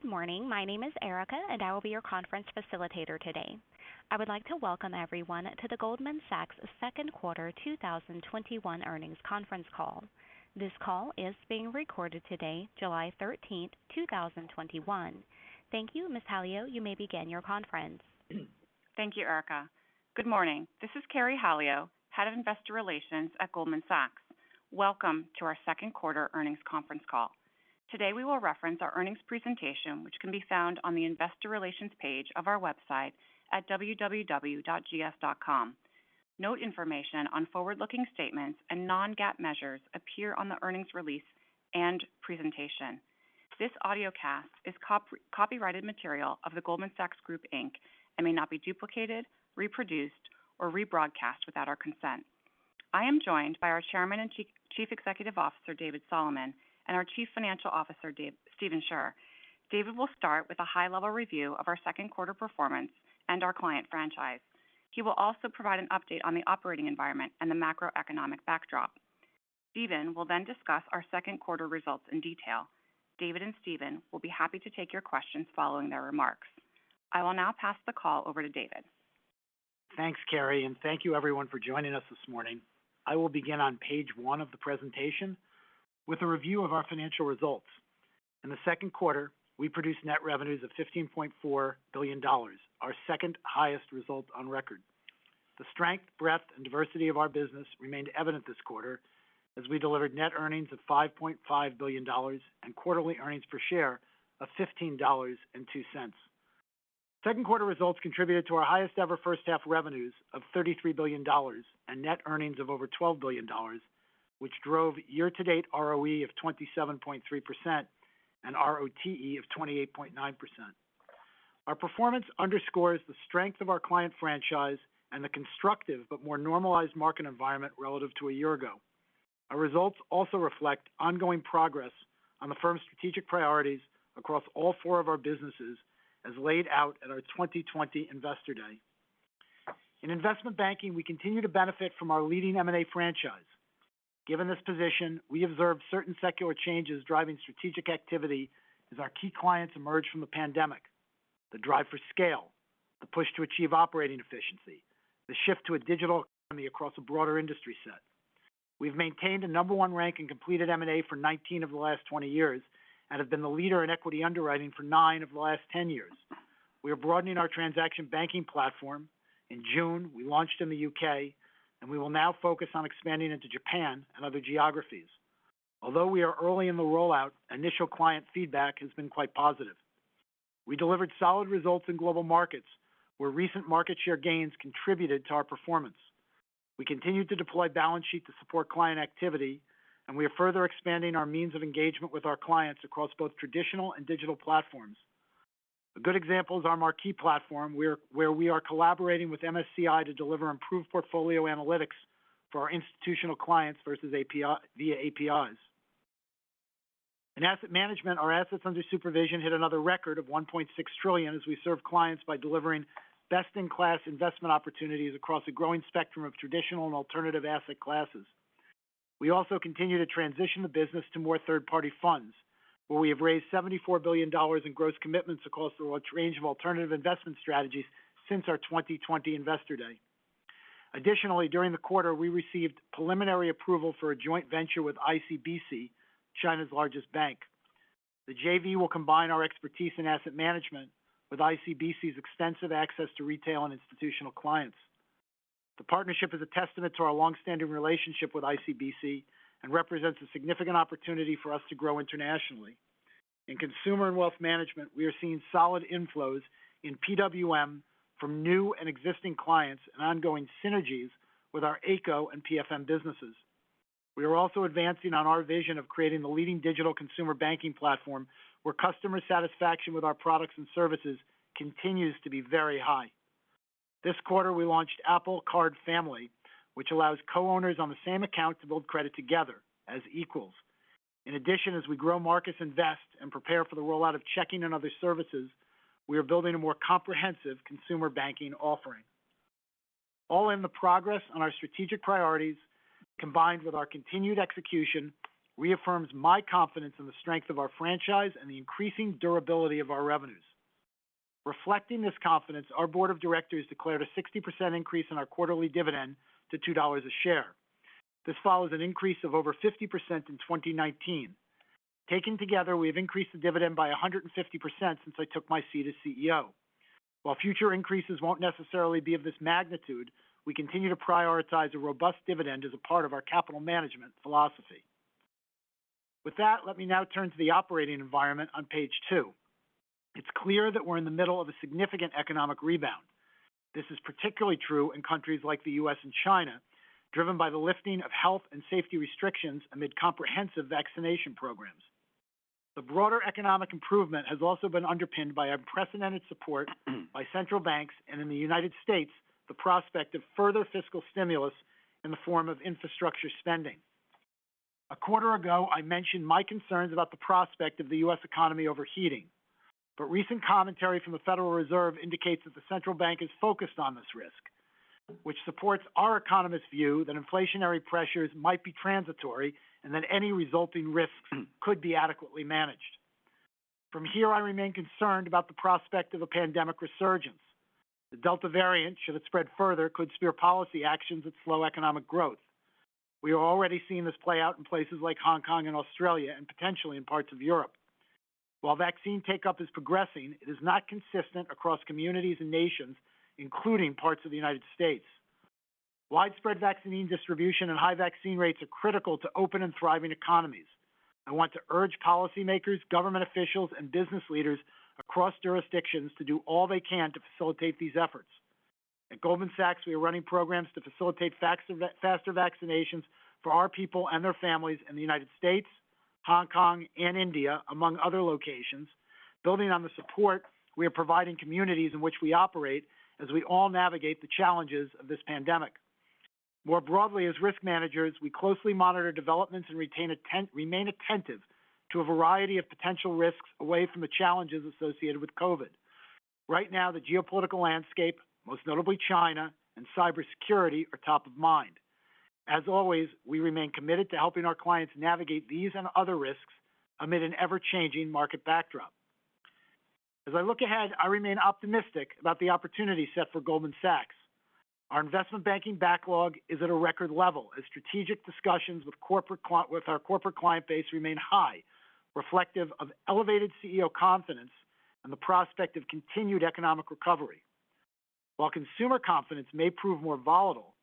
Good morning. My name is Erica, and I will be your conference facilitator today. I would like to welcome everyone to the Goldman Sachs Second Quarter 2021 Earnings Conference Call. This call is being recorded today, July 13th, 2021. Thank you. Ms. Halio, you may begin your conference. Thank you, Erica. Good morning. This is Carey Halio, Head of Investor Relations at Goldman Sachs. Welcome to our second quarter earnings conference call. Today we will reference our earnings presentation, which can be found on the investor relations page of our website at www.gs.com. Note information on forward-looking statements and non-GAAP measures appear on the earnings release and presentation. This audiocast is copyrighted material of The Goldman Sachs Group, Inc. and may not be duplicated, reproduced, or rebroadcast without our consent. I am joined by our Chairman and Chief Executive Officer, David Solomon, and our Chief Financial Officer, Stephen Scherr. David will start with a high-level review of our second quarter performance and our client franchise. He will also provide an update on the operating environment and the macroeconomic backdrop. Stephen will then discuss our second quarter results in detail. David and Stephen will be happy to take your questions following their remarks. I will now pass the call over to David. Thanks, Carey, and thank you everyone for joining us this morning. I will begin on page one of the presentation with a review of our financial results. In the second quarter, we produced net revenues of $15.4 billion, our second highest result on record. The strength, breadth, and diversity of our business remained evident this quarter as we delivered net earnings of $5.5 billion and quarterly earnings per share of $15.02. Second quarter results contributed to our highest-ever first-half revenues of $33 billion and net earnings of over $12 billion, which drove year-to-date ROE of 27.3% and ROTE of 28.9%. Our performance underscores the strength of our client franchise and the constructive but more normalized market environment relative to a year ago. Our results also reflect ongoing progress on the firm's strategic priorities across all four of our businesses, as laid out at our 2020 Investor Day. In investment banking, we continue to benefit from our leading M&A franchise. Given this position, we observe certain secular changes driving strategic activity as our key clients emerge from the pandemic. The drive for scale, the push to achieve operating efficiency, the shift to a digital economy across a broader industry set. We've maintained the number one rank in completed M&A for 19 of the last 20 years and have been the leader in equity underwriting for nine of the last 10 years. We are broadening our transaction banking platform. In June, we launched in the U.K., and we will now focus on expanding into Japan and other geographies. Although we are early in the rollout, initial client feedback has been quite positive. We delivered solid results in global markets, where recent market share gains contributed to our performance. We continue to deploy balance sheet to support client activity, and we are further expanding our means of engagement with our clients across both traditional and digital platforms. A good example is our Marquee platform, where we are collaborating with MSCI to deliver improved portfolio analytics for our institutional clients via APIs. In asset management, our assets under supervision hit another record of $1.6 trillion as we serve clients by delivering best-in-class investment opportunities across a growing spectrum of traditional and alternative asset classes. We also continue to transition the business to more third-party funds, where we have raised $74 billion in gross commitments across a range of alternative investment strategies since our 2020 Investor Day. Additionally, during the quarter, we received preliminary approval for a joint venture with ICBC, China's largest bank. The JV will combine our expertise in asset management with ICBC's extensive access to retail and institutional clients. The partnership is a testament to our longstanding relationship with ICBC and represents a significant opportunity for us to grow internationally. In consumer and wealth management, we are seeing solid inflows in PWM from new and existing clients and ongoing synergies with our Ayco and PFM businesses. We are also advancing on our vision of creating the leading digital consumer banking platform, where customer satisfaction with our products and services continues to be very high. This quarter, we launched Apple Card Family, which allows co-owners on the same account to build credit together as equals. In addition, as we grow Marcus Invest and prepare for the rollout of checking and other services, we are building a more comprehensive consumer banking offering. All in, the progress on our strategic priorities, combined with our continued execution, reaffirms my confidence in the strength of our franchise and the increasing durability of our revenues. Reflecting this confidence, our board of directors declared a 60% increase in our quarterly dividend to $2 a share. This follows an increase of over 50% in 2019. Taken together, we've increased the dividend by 150% since I took my seat as CEO. While future increases won't necessarily be of this magnitude, we continue to prioritize a robust dividend as a part of our capital management philosophy. With that, let me now turn to the operating environment on page two. It's clear that we're in the middle of a significant economic rebound. This is particularly true in countries like the U.S. and China, driven by the lifting of health and safety restrictions amid comprehensive vaccination programs. The broader economic improvement has also been underpinned by unprecedented support by central banks and, in the U.S., the prospect of further fiscal stimulus in the form of infrastructure spending. A quarter ago, I mentioned my concerns about the prospect of the U.S. economy overheating. Recent commentary from the Federal Reserve indicates that the central bank is focused on this risk, which supports our economists' view that inflationary pressures might be transitory and that any resulting risks could be adequately managed. From here, I remain concerned about the prospect of a pandemic resurgence. The Delta variant should it spread further could steer policy actions and slow economic growth. We've already seen this play out in places like Hong Kong and Australia, and potentially in parts of Europe. While vaccine take-up is progressing, it is not consistent across communities and nations, including parts of the U.S. Widespread vaccine distribution and high vaccine rates are critical to open and thriving economies. I want to urge policymakers, government officials, and business leaders across jurisdictions to do all they can to facilitate these efforts. At Goldman Sachs, we are running programs to facilitate faster vaccinations for our people and their families in the U.S., Hong Kong, and India, among other locations, building on the support we are providing communities in which we operate as we all navigate the challenges of this pandemic. More broadly as risk managers, we closely monitor developments and remain attentive to a variety of potential risks away from the challenges associated with COVID. Right now, the geopolitical landscape, most notably China and cybersecurity are top of mind. As always, we remain committed to helping our clients navigate these and other risks amid an ever-changing market backdrop. As I look ahead, I remain optimistic about the opportunities set for Goldman Sachs. Our investment banking backlog is at a record level and strategic discussions with our corporate client base remain high, reflective of elevated CEO confidence and the prospect of continued economic recovery. While consumer confidence may prove more volatile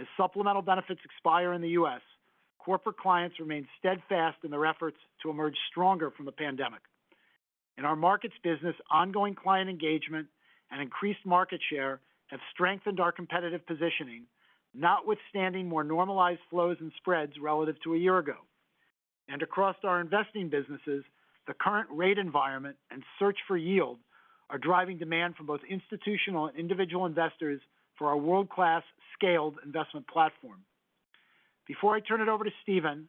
as supplemental benefits expire in the U.S., corporate clients remain steadfast in their efforts to emerge stronger from the pandemic. In our markets business, ongoing client engagement and increased market share have strengthened our competitive positioning notwithstanding more normalized flows and spreads relative to a year ago. Across our investing businesses, the current rate environment and search for yield are driving demand from both institutional and individual investors for our world-class scaled investment platform. Before I turn it over to Stephen,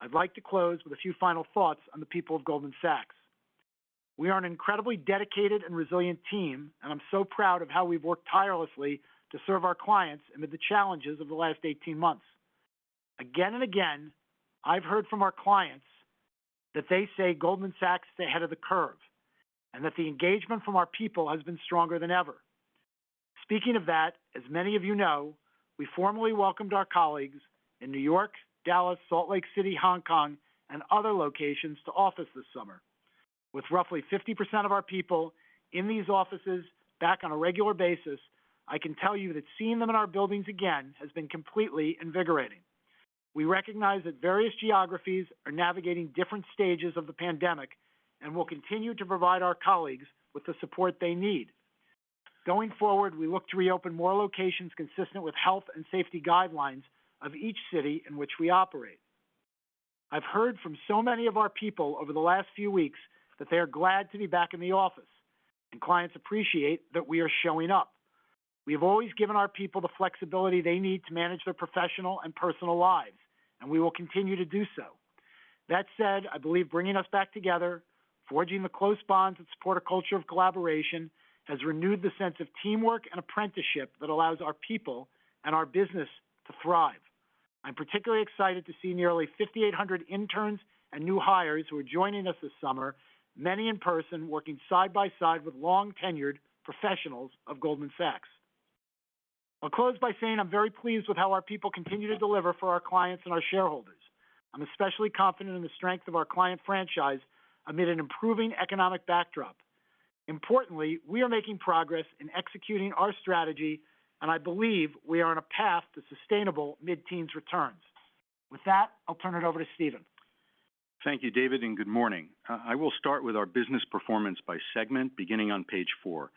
I'd like to close with a few final thoughts on the people of Goldman Sachs. We are an incredibly dedicated and resilient team, and I'm so proud of how we've worked tirelessly to serve our clients amid the challenges of the last 18 months. Again and again, I've heard from our clients that they say Goldman Sachs is ahead of the curve and that the engagement from our people has been stronger than ever. Speaking of that, as many of you know, we formally welcomed our colleagues in New York, Dallas, Salt Lake City, Hong Kong, and other locations to office this summer. With roughly 50% of our people in these offices back on a regular basis, I can tell you that seeing them in our buildings again has been completely invigorating. We recognize that various geographies are navigating different stages of the pandemic, and we'll continue to provide our colleagues with the support they need. Going forward, we look to reopen more locations consistent with health and safety guidelines of each city in which we operate. I've heard from so many of our people over the last few weeks that they're glad to be back in the office, and clients appreciate that we are showing up. We've always given our people the flexibility they need to manage their professional and personal lives, and we will continue to do so. That said, I believe bringing us back together, forging the close bonds that support a culture of collaboration has renewed the sense of teamwork and apprenticeship that allows our people and our business to thrive. I'm particularly excited to see nearly 5,800 interns and new hires who are joining us this summer, many in person working side by side with long-tenured professionals of Goldman Sachs. I'll close by saying I'm very pleased with how our people continue to deliver for our clients and our shareholders. I'm especially confident in the strength of our client franchise amid an improving economic backdrop. Importantly, we are making progress in executing our strategy, and I believe we are on a path to sustainable mid-teens returns. With that, I'll turn it over to Stephen. Thank you, David, and good morning. I will start with our business performance by segment beginning on page four.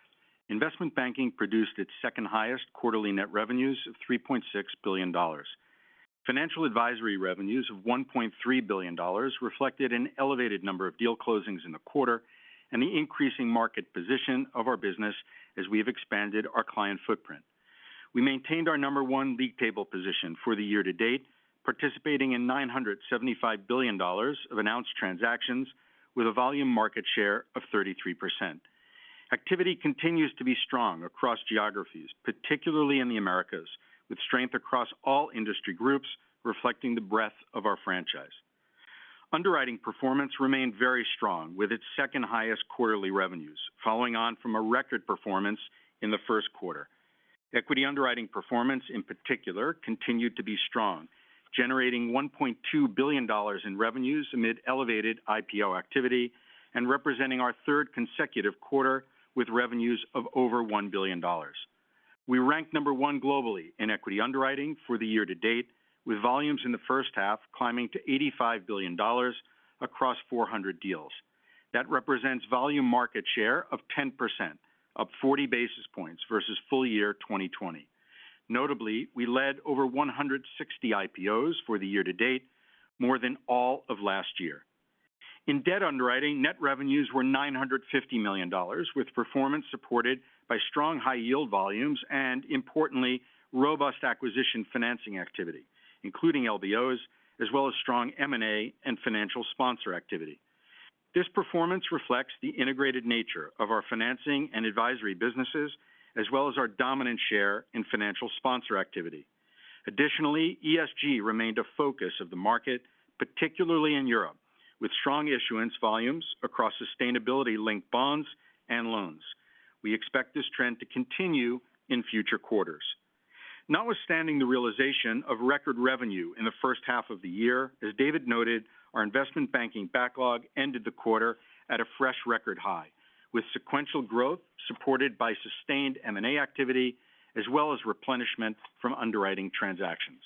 Investment Banking produced its second highest quarterly net revenues of $3.6 billion. Financial Advisory revenues of $1.3 billion reflected an elevated number of deal closings in the quarter and the increasing market position of our business as we have expanded our client footprint. We maintained our number one league table position for the year to date, participating in $975 billion of announced transactions with a volume market share of 33%. Activity continues to be strong across geographies, particularly in the Americas, with strength across all industry groups reflecting the breadth of our franchise. Underwriting performance remained very strong with its second highest quarterly revenues following on from a record performance in the first quarter. Equity underwriting performance, in particular, continued to be strong, generating $1.2 billion in revenues amid elevated IPO activity and representing our third consecutive quarter with revenues of over $1 billion. We rank number one globally in equity underwriting for the year to date with volumes in the first half climbing to $85 billion across 400 deals. That represents volume market share of 10%, up 40 basis points versus full year 2020. Notably, we led over 160 IPOs for the year to date, more than all of last year. In debt underwriting, net revenues were $950 million with performance supported by strong high yield volumes and importantly, robust acquisition financing activity, including LBOs as well as strong M&A and financial sponsor activity. This performance reflects the integrated nature of our financing and advisory businesses, as well as our dominant share in financial sponsor activity. ESG remained a focus of the market, particularly in Europe, with strong issuance volumes across sustainability-linked bonds and loans. We expect this trend to continue in future quarters. Notwithstanding the realization of record revenue in the first half of the year, as David noted, our investment banking backlog ended the quarter at a fresh record high, with sequential growth supported by sustained M&A activity as well as replenishment from underwriting transactions.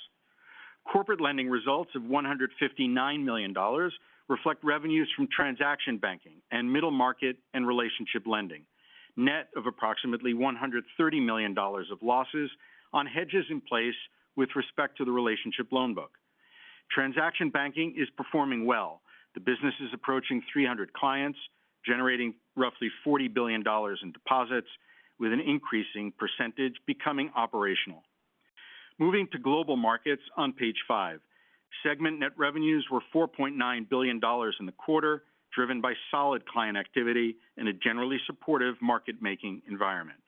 Corporate lending results of $159 million reflect revenues from transaction banking and middle market and relationship lending, net of approximately $130 million of losses on hedges in place with respect to the relationship loan book. Transaction banking is performing well. The business is approaching 300 clients, generating roughly $40 billion in deposits, with an increasing percentage becoming operational. Moving to Global Markets on page five. Segment net revenues were $4.9 billion in the quarter, driven by solid client activity in a generally supportive market-making environment.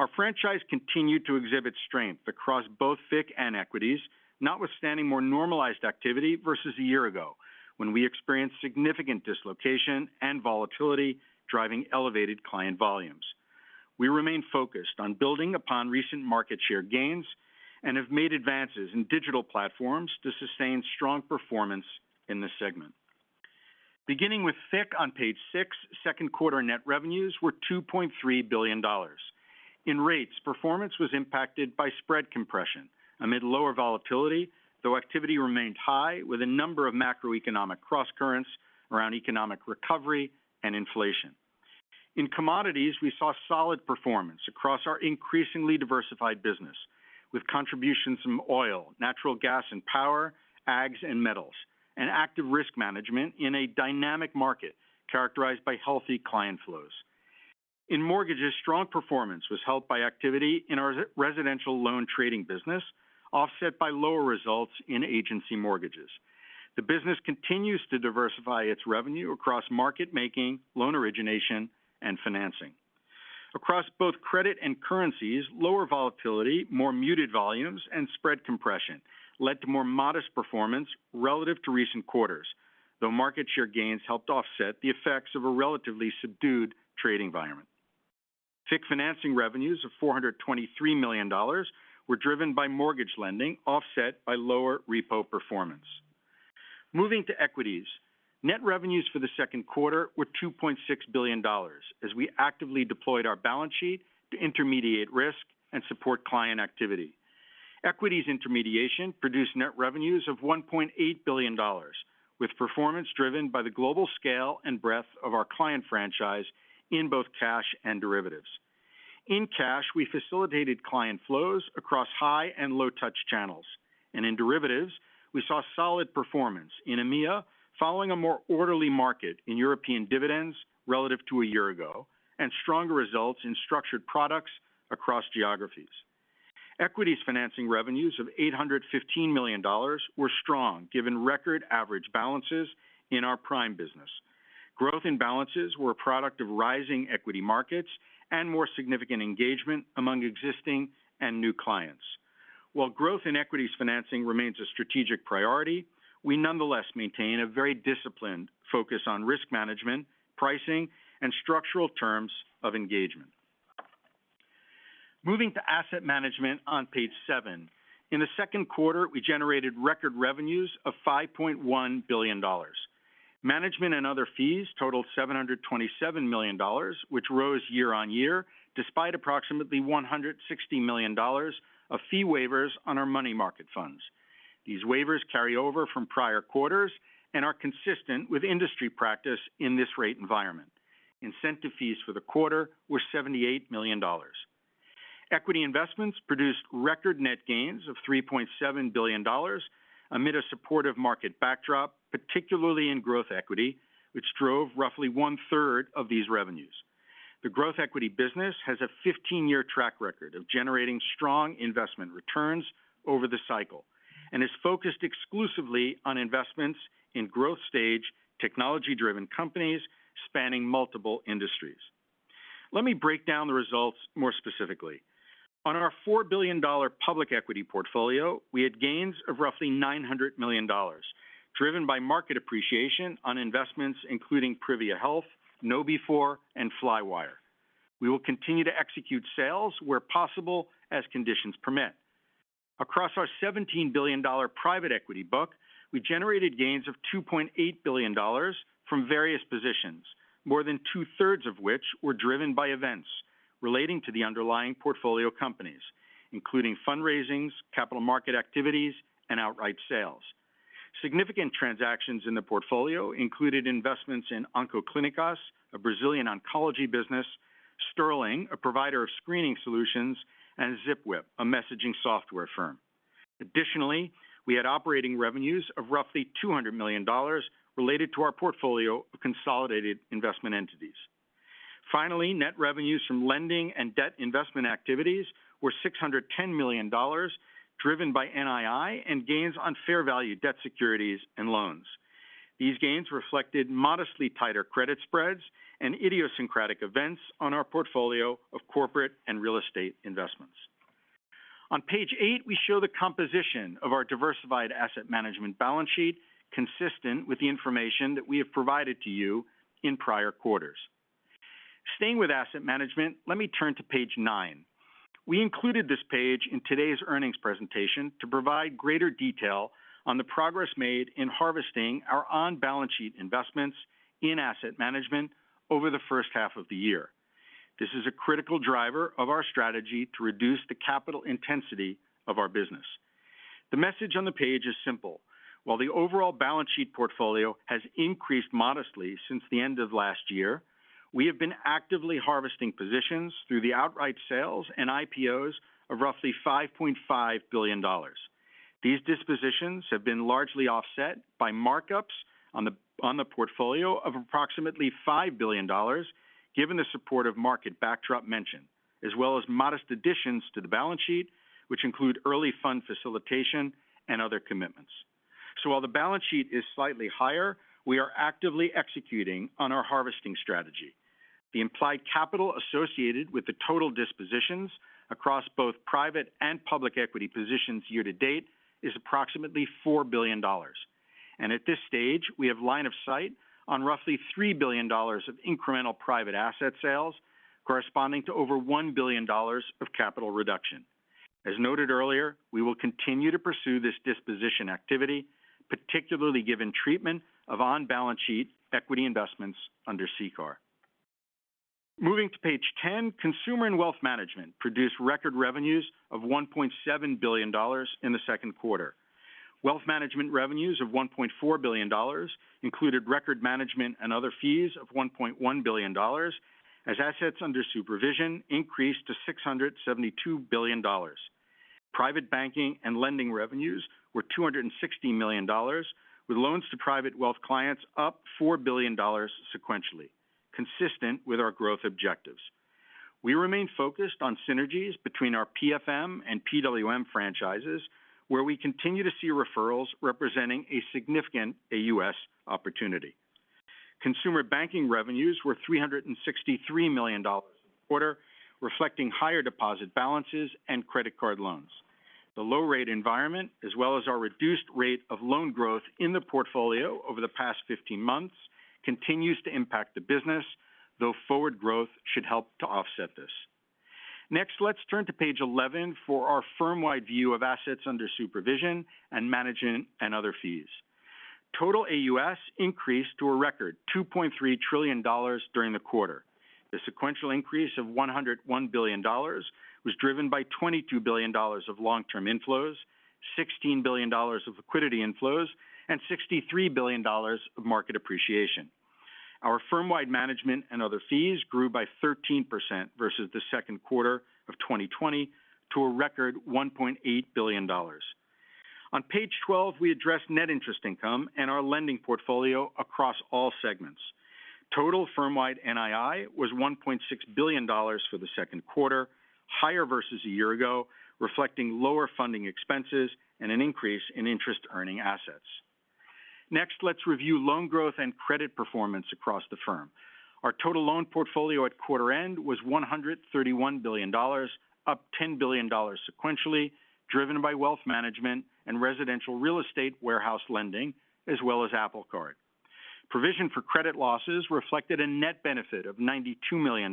Our franchise continued to exhibit strength across both FICC and Equities, notwithstanding more normalized activity versus a year ago, when we experienced significant dislocation and volatility driving elevated client volumes. We remain focused on building upon recent market share gains and have made advances in digital platforms to sustain strong performance in the segment. Beginning with FICC on page six, second quarter net revenues were $2.3 billion. In rates, performance was impacted by spread compression amid lower volatility, though activity remained high with a number of macroeconomic crosscurrents around economic recovery and inflation. In commodities, we saw solid performance across our increasingly diversified business, with contributions from oil, natural gas and power, ags, and metals, and active risk management in a dynamic market characterized by healthy client flows. In mortgages, strong performance was helped by activity in our residential loan trading business, offset by lower results in agency mortgages. The business continues to diversify its revenue across market making, loan origination, and financing. Across both credit and currencies, lower volatility, more muted volumes, and spread compression led to more modest performance relative to recent quarters, though market share gains helped offset the effects of a relatively subdued trade environment. FICC financing revenues of $423 million were driven by mortgage lending, offset by lower repo performance. Moving to Equities. Net revenues for the second quarter were $2.6 billion as we actively deployed our balance sheet to intermediate risk and support client activity. Equities intermediation produced net revenues of $1.8 billion, with performance driven by the global scale and breadth of our client franchise in both cash and derivatives. In cash, we facilitated client flows across high and low touch channels, and in derivatives, we saw solid performance in EMEA, following a more orderly market in European dividends relative to a year ago, and stronger results in structured products across geographies. Equities financing revenues of $815 million were strong given record average balances in our prime business. Growth and balances were a product of rising equity markets and more significant engagement among existing and new clients. While growth in equities financing remains a strategic priority, we nonetheless maintain a very disciplined focus on risk management, pricing, and structural terms of engagement. Moving to Asset Management on page seven. In the second quarter, we generated record revenues of $5.1 billion. Management and other fees totaled $727 million, which rose year-on-year despite approximately $160 million of fee waivers on our money market funds. These waivers carry over from prior quarters and are consistent with industry practice in this rate environment. Incentive fees for the quarter were $78 million. Equity investments produced record net gains of $3.7 billion amid a supportive market backdrop, particularly in growth equity, which drove roughly 1/3 of these revenues. The growth equity business has a 15-year track record of generating strong investment returns over the cycle and is focused exclusively on investments in growth-stage, technology-driven companies spanning multiple industries. Let me break down the results more specifically. On our $4 billion public equity portfolio, we had gains of roughly $900 million, driven by market appreciation on investments including Privia Health, KnowBe4, and Flywire. We will continue to execute sales where possible as conditions permit. Across our $17 billion private equity book, we generated gains of $2.8 billion from various positions, more than two-thirds of which were driven by events relating to the underlying portfolio companies, including fundraisings, capital market activities, and outright sales. Significant transactions in the portfolio included investments in Oncoclínicas, a Brazilian oncology business, Sterling, a provider of screening solutions, and Zipwhip, a messaging software firm. Additionally, we had operating revenues of roughly $200 million related to our portfolio of consolidated investment entities. Finally, net revenues from lending and debt investment activities were $610 million, driven by NII and gains on fair value debt securities and loans. These gains reflected modestly tighter credit spreads and idiosyncratic events on our portfolio of corporate and real estate investments. On page eight, we show the composition of our diversified asset management balance sheet, consistent with the information that we have provided to you in prior quarters. Staying with asset management, let me turn to page nine. We included this page in today's earnings presentation to provide greater detail on the progress made in harvesting our on-balance sheet investments in asset management over the first half of the year. This is a critical driver of our strategy to reduce the capital intensity of our business. The message on the page is simple. While the overall balance sheet portfolio has increased modestly since the end of last year, we have been actively harvesting positions through the outright sales and IPOs of roughly $5.5 billion. These dispositions have been largely offset by markups on the portfolio of approximately $5 billion, given the supportive market backdrop mentioned, as well as modest additions to the balance sheet, which include early fund facilitation and other commitments. While the balance sheet is slightly higher, we are actively executing on our harvesting strategy. The implied capital associated with the total dispositions across both private and public equity positions year to date is approximately $4 billion. At this stage, we have line of sight on roughly $3 billion of incremental private asset sales, corresponding to over $1 billion of capital reduction. As noted earlier, we will continue to pursue this disposition activity, particularly given treatment of on-balance sheet equity investments under CCAR. Moving to page 10, consumer and wealth management produced record revenues of $1.7 billion in the second quarter. Wealth management revenues of $1.4 billion included record management and other fees of $1.1 billion, as assets under supervision increased to $672 billion. Private banking and lending revenues were $260 million, with loans to private wealth clients up $4 billion sequentially, consistent with our growth objectives. We remain focused on synergies between our PFM and PWM franchises, where we continue to see referrals representing a significant AUS opportunity. Consumer banking revenues were $363 million for the quarter, reflecting higher deposit balances and credit card loans. The low rate environment, as well as our reduced rate of loan growth in the portfolio over the past 15 months, continues to impact the business, though forward growth should help to offset this. Next, let's turn to page 11 for our firm-wide view of assets under supervision and management and other fees. Total AUS increased to a record $2.3 trillion during the quarter. The sequential increase of $101 billion was driven by $22 billion of long-term inflows, $16 billion of liquidity inflows, and $63 billion of market appreciation. Our firm-wide management and other fees grew by 13% versus the second quarter of 2020, to a record $1.8 billion. On page 12, we address net interest income and our lending portfolio across all segments. Total firm-wide NII was $1.6 billion for the second quarter, higher versus a year ago, reflecting lower funding expenses and an increase in interest-earning assets. Next, let's review loan growth and credit performance across the firm. Our total loan portfolio at quarter end was $131 billion, up $10 billion sequentially, driven by wealth management and residential real estate warehouse lending, as well as Apple Card. Provision for credit losses reflected a net benefit of $92 million,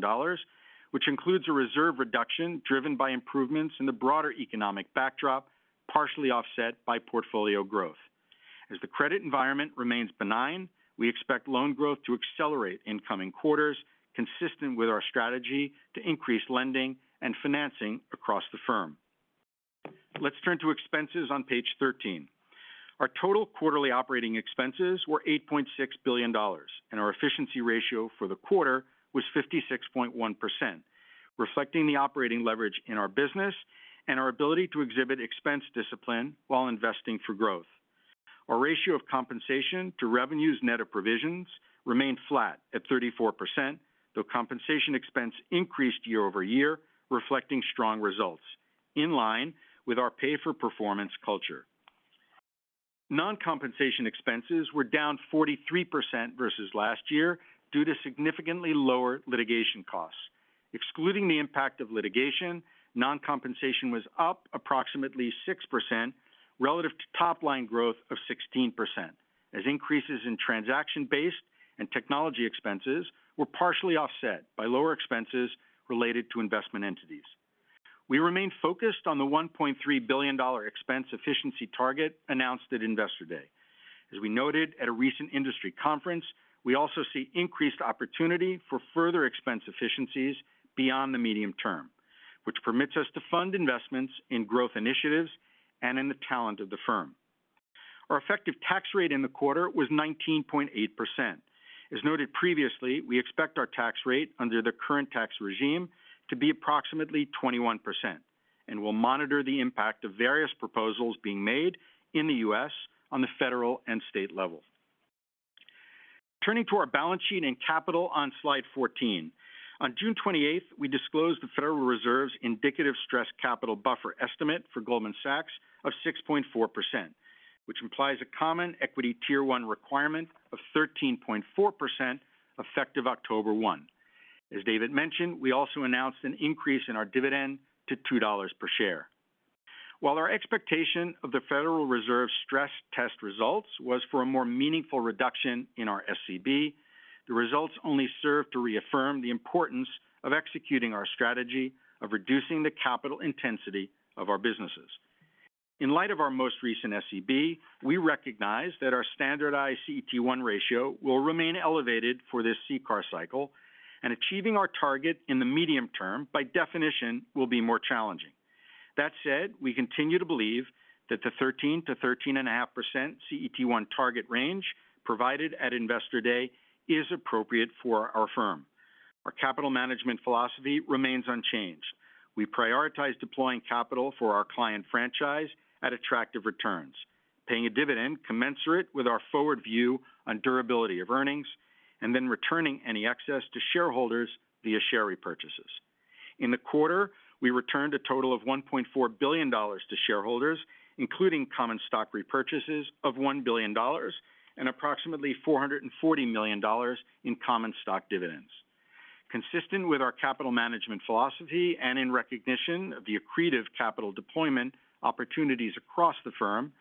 which includes a reserve reduction driven by improvements in the broader economic backdrop, partially offset by portfolio growth. As the credit environment remains benign, we expect loan growth to accelerate in coming quarters, consistent with our strategy to increase lending and financing across the firm. Let's turn to expenses on page 13. Our total quarterly operating expenses were $8.6 billion, and our efficiency ratio for the quarter was 56.1%, reflecting the operating leverage in our business and our ability to exhibit expense discipline while investing for growth. Our ratio of compensation to revenues net of provisions remains flat at 34%, though compensation expense increased year-over-year, reflecting strong results, in line with our pay-for-performance culture. Non-compensation expenses were down 43% versus last year due to significantly lower litigation costs. Excluding the impact of litigation, non-compensation was up approximately 6% relative to top-line growth of 16%, as increases in transaction-based and technology expenses were partially offset by lower expenses related to investment entities. We remain focused on the $1.3 billion expense efficiency target announced at Investor Day. As we noted at a recent industry conference, we also see increased opportunity for further expense efficiencies beyond the medium term, which permits us to fund investments in growth initiatives and in the talent of the firm. Our effective tax rate in the quarter was 19.8%. As noted previously, we expect our tax rate under the current tax regime to be approximately 21%. We'll monitor the impact of various proposals being made in the U.S. on the federal and state level. Turning to our balance sheet and capital on slide 14. On June 28th, we disclosed the Federal Reserve's indicative stress capital buffer estimate for Goldman Sachs of 6.4%, which implies a common equity Tier 1 requirement of 13.4% effective October 1. As David mentioned, we also announced an increase in our dividend to $2 per share. While our expectation of the Federal Reserve stress test results was for a more meaningful reduction in our SCB, the results only serve to reaffirm the importance of executing our strategy of reducing the capital intensity of our businesses. In light of our most recent SCB, we recognize that our standardized CET1 ratio will remain elevated for this CCAR cycle, and achieving our target in the medium term, by definition, will be more challenging. That said, we continue to believe that the 13%-13.5% CET1 target range provided at Investor Day is appropriate for our firm. Our capital management philosophy remains unchanged. We prioritize deploying capital for our client franchise at attractive returns, paying a dividend commensurate with our forward view on durability of earnings, and then returning any excess to shareholders via share repurchases. In the quarter, we returned a total of $1.4 billion to shareholders, including common stock repurchases of $1 billion and approximately $440 million in common stock dividends. Consistent with our capital management philosophy and in recognition of the accretive capital deployment opportunities across the firm,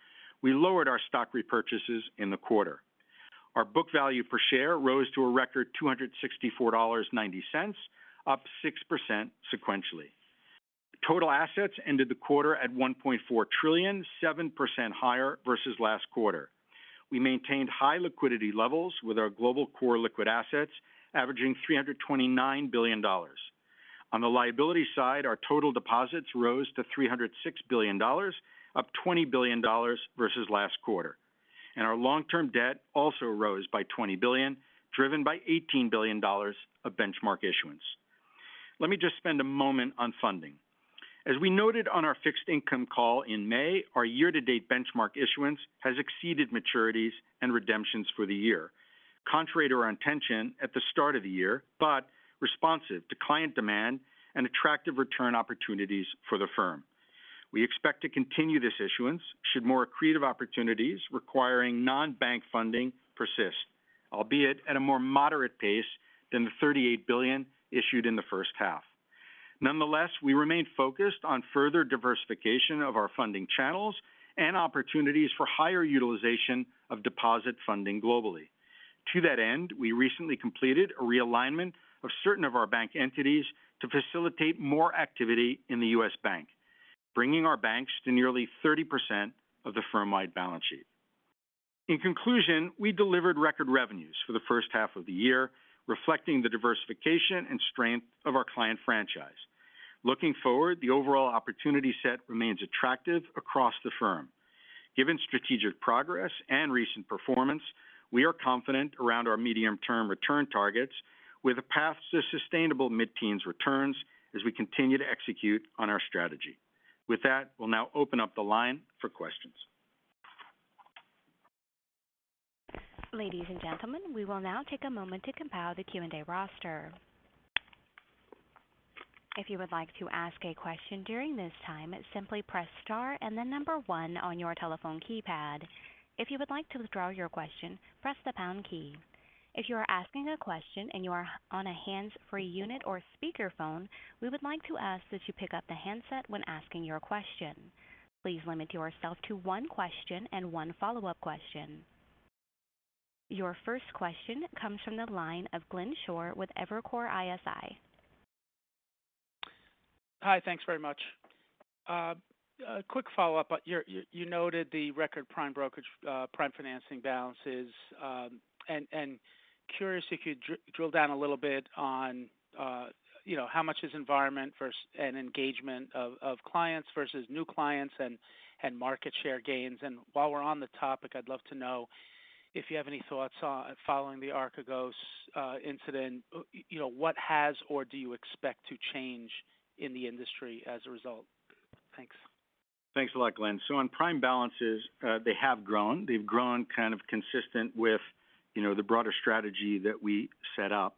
we lowered our stock repurchases in the quarter. Our book value per share rose to a record $264.90, up 6% sequentially. Total assets ended the quarter at $1.4 trillion, 7% higher versus last quarter. We maintained high liquidity levels with our global core liquid assets averaging $329 billion. On the liability side, our total deposits rose to $306 billion, up $20 billion versus last quarter. Our long-term debt also rose by $20 billion, driven by $18 billion of benchmark issuance. Let me just spend a moment on funding. As we noted on our fixed income call in May, our year-to-date benchmark issuance has exceeded maturities and redemptions for the year, contrary to our intention at the start of the year, but responsive to client demand and attractive return opportunities for the firm. We expect to continue this issuance should more accretive opportunities requiring non-bank funding persist, albeit at a more moderate pace than the $38 billion issued in the first half. Nonetheless, we remain focused on further diversification of our funding channels and opportunities for higher utilization of deposit funding globally. To that end, we recently completed a realignment of certain of our bank entities to facilitate more activity in the U.S. bank, bringing our banks to nearly 30% of the firm-wide balance sheet. In conclusion, we delivered record revenues for the first half of the year, reflecting the diversification and strength of our client franchise. Looking forward, the overall opportunity set remains attractive across the firm. Given strategic progress and recent performance, we are confident around our medium-term return targets with a path to sustainable mid-teens returns as we continue to execute on our strategy. With that, we'll now open up the line for questions. Ladies and gentlemen, we will now take a moment to compile the Q&A roster. Your first question comes from the line of Glenn Schorr with Evercore ISI. Hi, thanks very much. A quick follow-up. You noted the record prime brokerage prime financing balances, curious if you could drill down a little bit on how much is environment and engagement of clients versus new clients and market share gains. While we're on the topic, I'd love to know if you have any thoughts following the Archegos incident. What has or do you expect to change in the industry as a result? Thanks. Thanks a lot, Glenn. On prime balances, they have grown. They've grown kind of consistent with the broader strategy that we set up.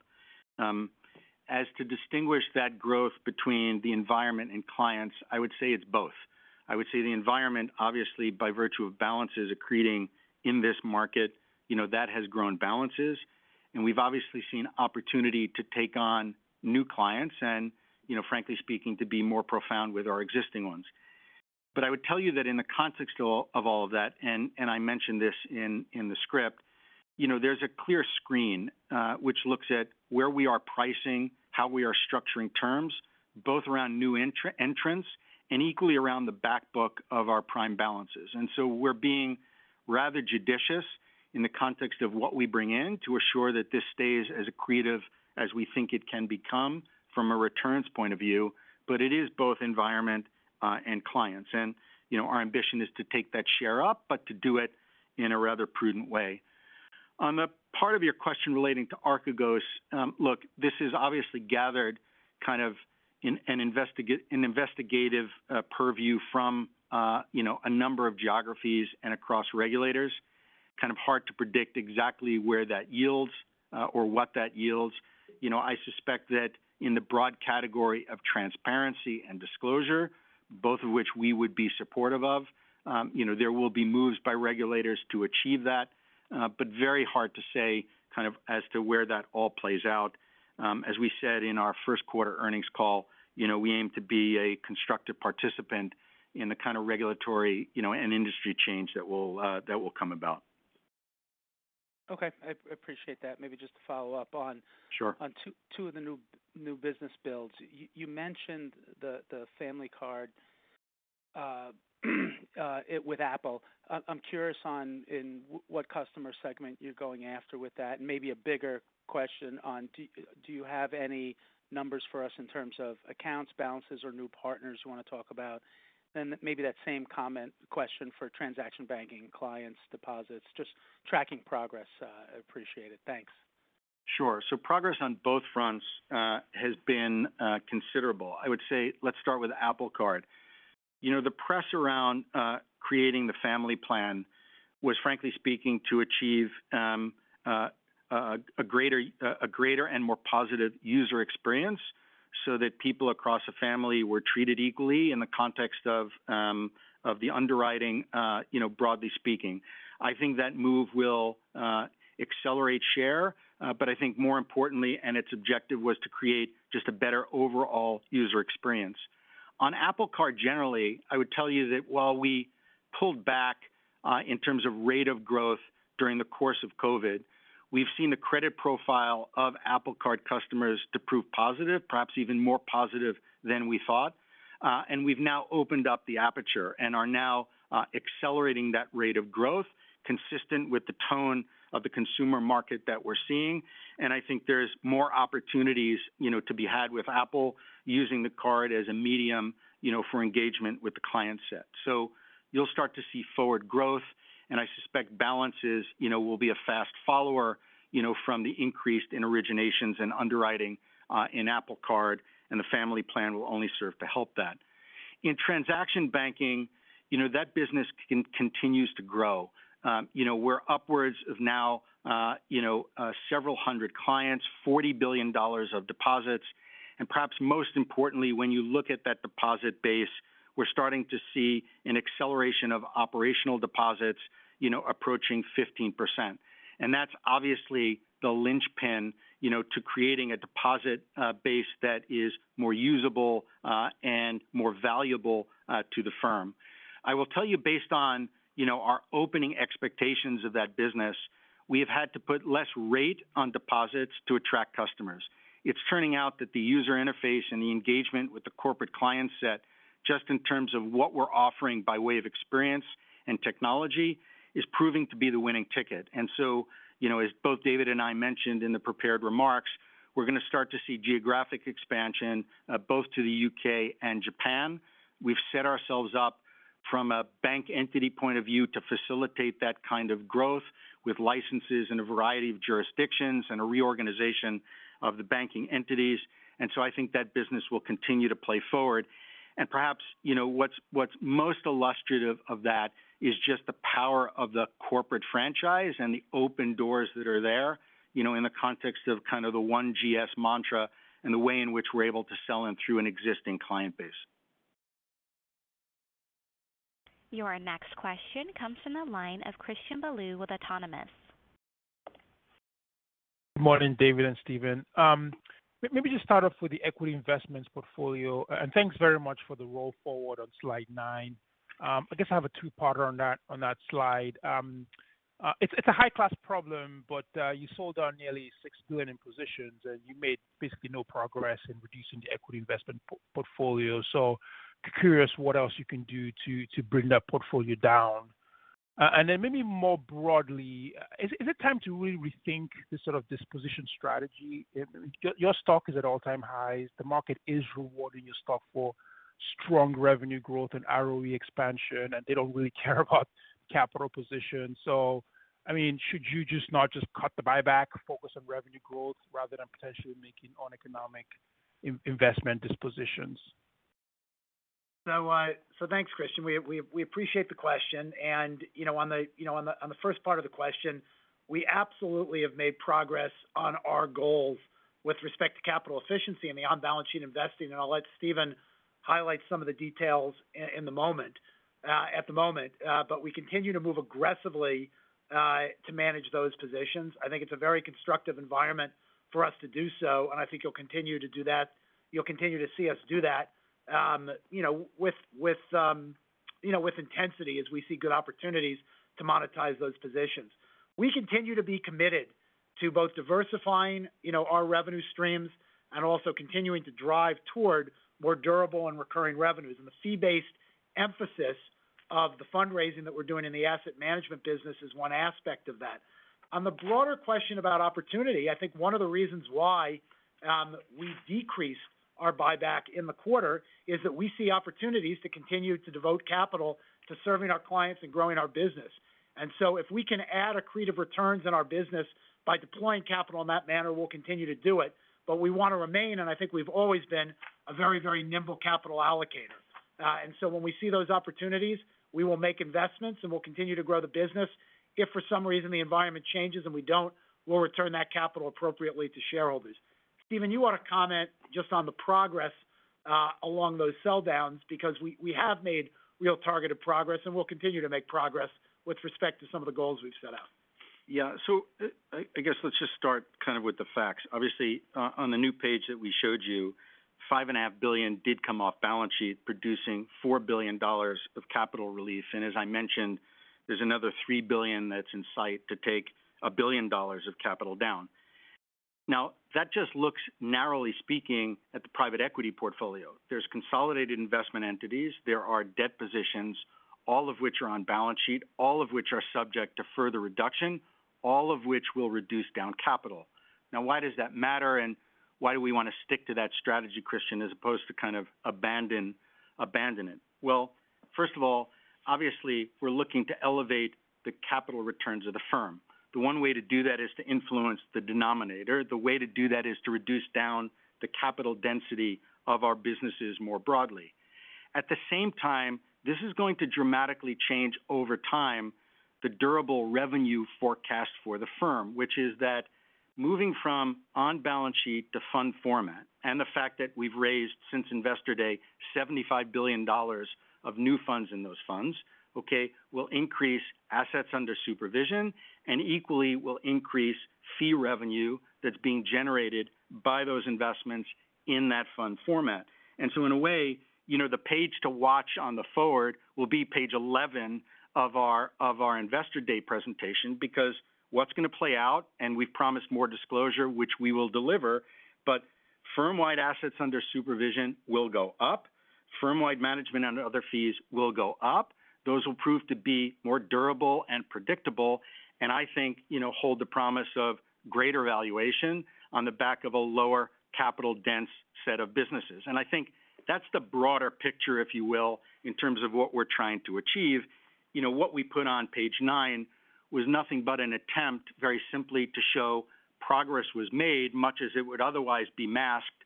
As to distinguish that growth between the environment and clients, I would say it's both. I would say the environment, obviously, by virtue of balances accreting in this market, that has grown balances. We've obviously seen opportunity to take on new clients and frankly speaking, to be more profound with our existing ones. I would tell you that in the context of all of that, and I mentioned this in the script, there's a clear screen which looks at where we are pricing, how we are structuring terms, both around new entrants and equally around the back book of our prime balances. We're being rather judicious in the context of what we bring in to assure that this stays as accretive as we think it can become from a returns point of view, but it is both environment and clients. Our ambition is to take that share up, but to do it in a rather prudent way. On the part of your question relating to Archegos, look, this is obviously gathered kind of in an investigative purview from a number of geographies and across regulators. Kind of hard to predict exactly where that yields or what that yields. I suspect that in the broad category of transparency and disclosure, both of which we would be supportive of, there will be moves by regulators to achieve that. Very hard to say as to where that all plays out. As we said in our first quarter earnings call, we aim to be a constructive participant in the kind of regulatory, and industry change that will come about. Okay. I appreciate that. Sure on two of the new business builds. You mentioned the family card, with Apple. I'm curious on what customer segment you're going after with that. Maybe a bigger question on do you have any numbers for us in terms of accounts, balances, or new partners you want to talk about? Maybe that same comment question for transaction banking and clients deposits, just tracking progress. I appreciate it. Thanks. Sure. Progress on both fronts has been considerable. I would say let's start with Apple Card. The press around creating the family plan was, frankly speaking, to achieve a greater and more positive user experience so that people across the family were treated equally in the context of the underwriting broadly speaking. I think that move will accelerate share. I think more importantly, and its objective was to create just a better overall user experience. On Apple Card generally, I would tell you that while we pulled back in terms of rate of growth during the course of COVID, we've seen a credit profile of Apple Card customers to prove positive, perhaps even more positive than we thought. We've now opened up the aperture and are now accelerating that rate of growth consistent with the tone of the consumer market that we're seeing. I think there's more opportunities to be had with Apple using the card as a medium for engagement with the client set. You'll start to see forward growth, and I suspect balances will be a fast follower from the increase in originations and underwriting in Apple Card, and the family plan will only serve to help that. In transaction banking, that business continues to grow. We're upwards of now several hundred clients, $40 billion of deposits, and perhaps most importantly, when you look at that deposit base, we're starting to see an acceleration of operational deposits approaching 15%. That's obviously the linchpin to creating a deposit base that is more usable and more valuable to the firm. I will tell you based on our opening expectations of that business, we've had to put less rate on deposits to attract customers. It's turning out that the user interface and the engagement with the corporate client set, just in terms of what we're offering by way of experience and technology, is proving to be the winning ticket. As both David and I mentioned in the prepared remarks, we're going to start to see geographic expansion both to the U.K. and Japan. We've set ourselves up from a bank entity point of view to facilitate that kind of growth with licenses in a variety of jurisdictions and a reorganization of the banking entities. I think that business will continue to play forward. Perhaps what's most illustrative of that is just the power of the corporate franchise and the open doors that are there in the context of kind of the One GS mantra and the way in which we're able to sell into an existing client base. Your next question comes from the line of Christian Bolu with Autonomous. Morning, David and Stephen. Let me just start off with the equity investments portfolio, and thanks very much for the roll forward on slide nine. I just have a two-parter on that slide. It's a high-class problem, but you sold down nearly $6 billion in positions, and you made basically no progress in reducing the equity investment portfolio. Curious what else you can do to bring that portfolio down? Maybe more broadly, is it time to really rethink this sort of disposition strategy? Your stock is at all-time highs. The market is rewarding your stock for strong revenue growth and ROE expansion, and they don't really care about capital position. Should you just not just cut the buyback, focus on revenue growth rather than potentially making uneconomic investment dispositions? Thanks, Christian. We appreciate the question, and on the first part of the question, we absolutely have made progress on our goals with respect to capital efficiency and the on-balance sheet investing, and I'll let Stephen highlight some of the details at the moment. We continue to move aggressively to manage those positions. I think it's a very constructive environment for us to do so, and I think you'll continue to see us do that with intensity as we see good opportunities to monetize those positions. We continue to be committed to both diversifying our revenue streams and also continuing to drive toward more durable and recurring revenues. The fee-based emphasis of the fundraising that we're doing in the asset management business is one aspect of that. On the broader question about opportunity, I think one of the reasons why we decrease our buyback in the quarter is that we see opportunities to continue to devote capital to serving our clients and growing our business. If we can add accretive returns in our business by deploying capital in that manner, we'll continue to do it. We want to remain, and I think we've always been a very nimble capital allocator. When we see those opportunities, we will make investments and we'll continue to grow the business. If for some reason the environment changes and we don't, we'll return that capital appropriately to shareholders. Stephen, you want to comment just on the progress along those sell downs, because we have made real targeted progress, and we'll continue to make progress with respect to some of the goals we've set out. I guess let's just start kind of with the facts. Obviously, on the new page that we showed you, $5.5 billion did come off balance sheet producing $4 billion of capital release. As I mentioned, there's another $3 billion that's in sight to take $1 billion of capital down. That just looks narrowly speaking at the private equity portfolio. There's consolidated investment entities, there are debt positions, all of which are on balance sheet, all of which are subject to further reduction, all of which will reduce down capital. Why does that matter and why do we want to stick to that strategy, Christian, as opposed to kind of abandon it? First of all, obviously, we're looking to elevate the capital returns of the firm. The one way to do that is to influence the denominator. The way to do that is to reduce down the capital density of our businesses more broadly. At the same time, this is going to dramatically change over time the durable revenue forecast for the firm, which is that moving from on-balance sheet to fund format, and the fact that we've raised since Investor Day $75 billion of new funds in those funds, okay, will increase assets under supervision and equally will increase fee revenue that's being generated by those investments in that fund format. In a way, the page to watch on the forward will be page 11 of our Investor Day presentation because what's going to play out, and we promise more disclosure, which we will deliver, but firm-wide assets under supervision will go up, firm-wide management and other fees will go up. Those will prove to be more durable and predictable, and I think hold the promise of greater valuation on the back of a lower capital dense set of businesses. I think that's the broader picture, if you will, in terms of what we're trying to achieve. What we put on page nine was nothing but an attempt very simply to show progress was made much as it would otherwise be masked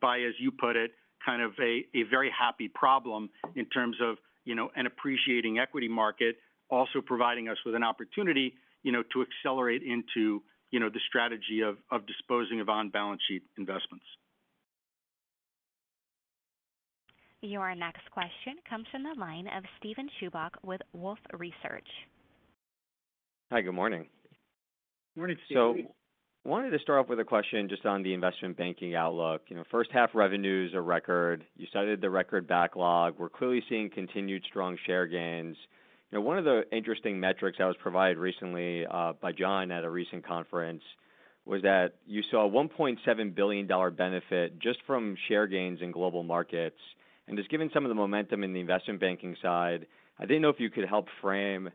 by, as you put it, kind of a very happy problem in terms of an appreciating equity market also providing us with an opportunity to accelerate into the strategy of disposing of on-balance sheet investments. Your next question comes from the line of Steven Chubak with Wolfe Research. Hi, good morning. Good morning, Steven. Wanted to start off with a question just on the investment banking outlook. First half revenue is a record. You cited the record backlog. We're clearly seeing continued strong share gains. One of the interesting metrics I was provided recently by John at a recent conference was that you saw a $1.7 billion benefit just from share gains in global markets. Just given some of the momentum in the investment banking side, I didn't know if you could help frame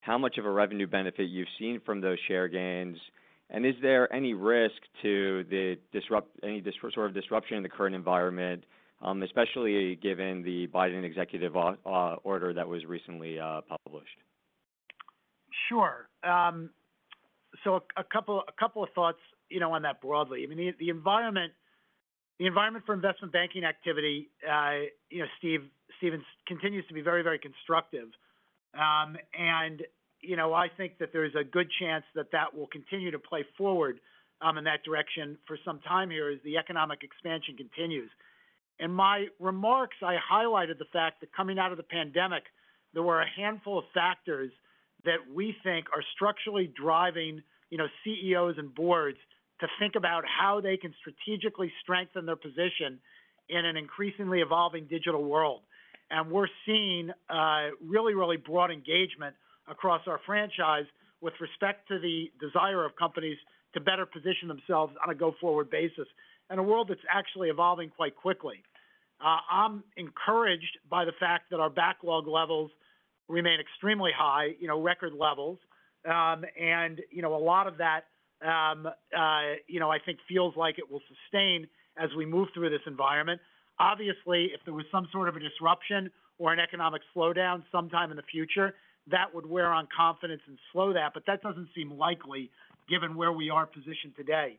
how much of a revenue benefit you've seen from those share gains, and is there any risk to any sort of disruption in the current environment, especially given the Biden executive order that was recently published. Sure. A couple of thoughts on that broadly. The environment for investment banking activity, Steven, continues to be very constructive. I think that there's a good chance that that will continue to play forward in that direction for some time here as the economic expansion continues. In my remarks, I highlighted the fact that coming out of the pandemic, there were a handful of factors that we think are structurally driving CEOs and boards to think about how they can strategically strengthen their position in an increasingly evolving digital world. We're seeing really broad engagement across our franchise with respect to the desire of companies to better position themselves on a go-forward basis in a world that's actually evolving quite quickly. I'm encouraged by the fact that our backlog levels remain extremely high, record levels. A lot of that I think feels like it will sustain as we move through this environment. Obviously, if there was some sort of a disruption or an economic slowdown sometime in the future, that would wear on confidence and slow that, but that doesn't seem likely given where we are positioned today.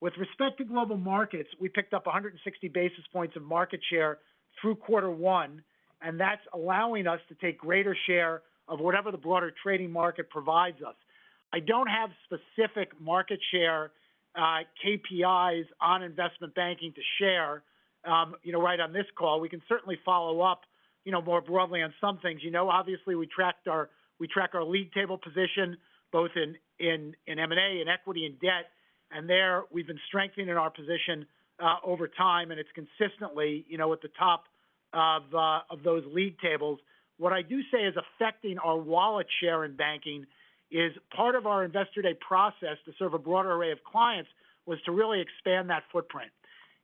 With respect to global markets, we picked up 160 basis points of market share through quarter one, and that's allowing us to take greater share of whatever the broader trading market provides us. I don't have specific market share, KPIs on investment banking to share right on this call. We can certainly follow up more broadly on some things. Obviously, we track our league table position both in M&A and equity and debt, and there we've been strengthening our position over time, and it's consistently at the top of those league tables. What I do say is affecting our wallet share in banking is part of our Investor Day process to serve a broader array of clients was to really expand that footprint.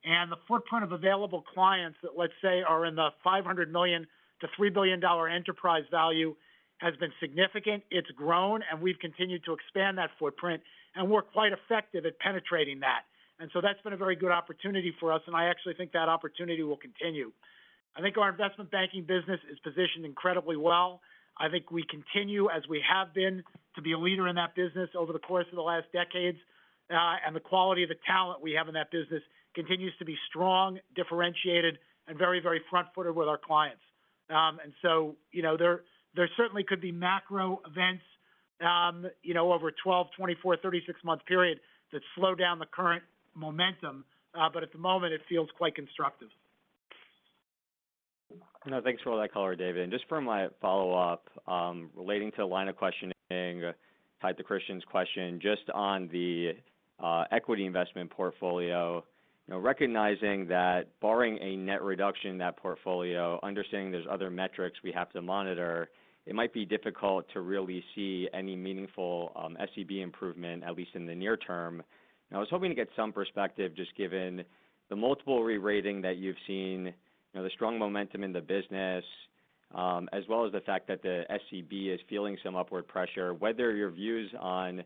The footprint of available clients that let's say are in the $500 million-$3 billion enterprise value has been significant. It's grown, we've continued to expand that footprint, we're quite effective at penetrating that. That's been a very good opportunity for us, I actually think that opportunity will continue. I think our investment banking business is positioned incredibly well. I think we continue, as we have been, to be a leader in that business over the course of the last decades. The quality of the talent we have in that business continues to be strong, differentiated, and very front-footed with our clients. There certainly could be macro events over 12, 24, 36-month periods that slow down the current momentum. At the moment, it feels quite constructive. No, thanks for that color, David. Just for my follow-up, relating to the line of questioning tied to Christian's question just on the equity investment portfolio. Recognizing that barring a net reduction in that portfolio, understanding there's other metrics we have to monitor, it might be difficult to really see any meaningful SCB improvement, at least in the near term. I was hoping to get some perspective just given the multiple rerating that you've seen, the strong momentum in the business, as well as the fact that the SCB is feeling some upward pressure. Whether your views on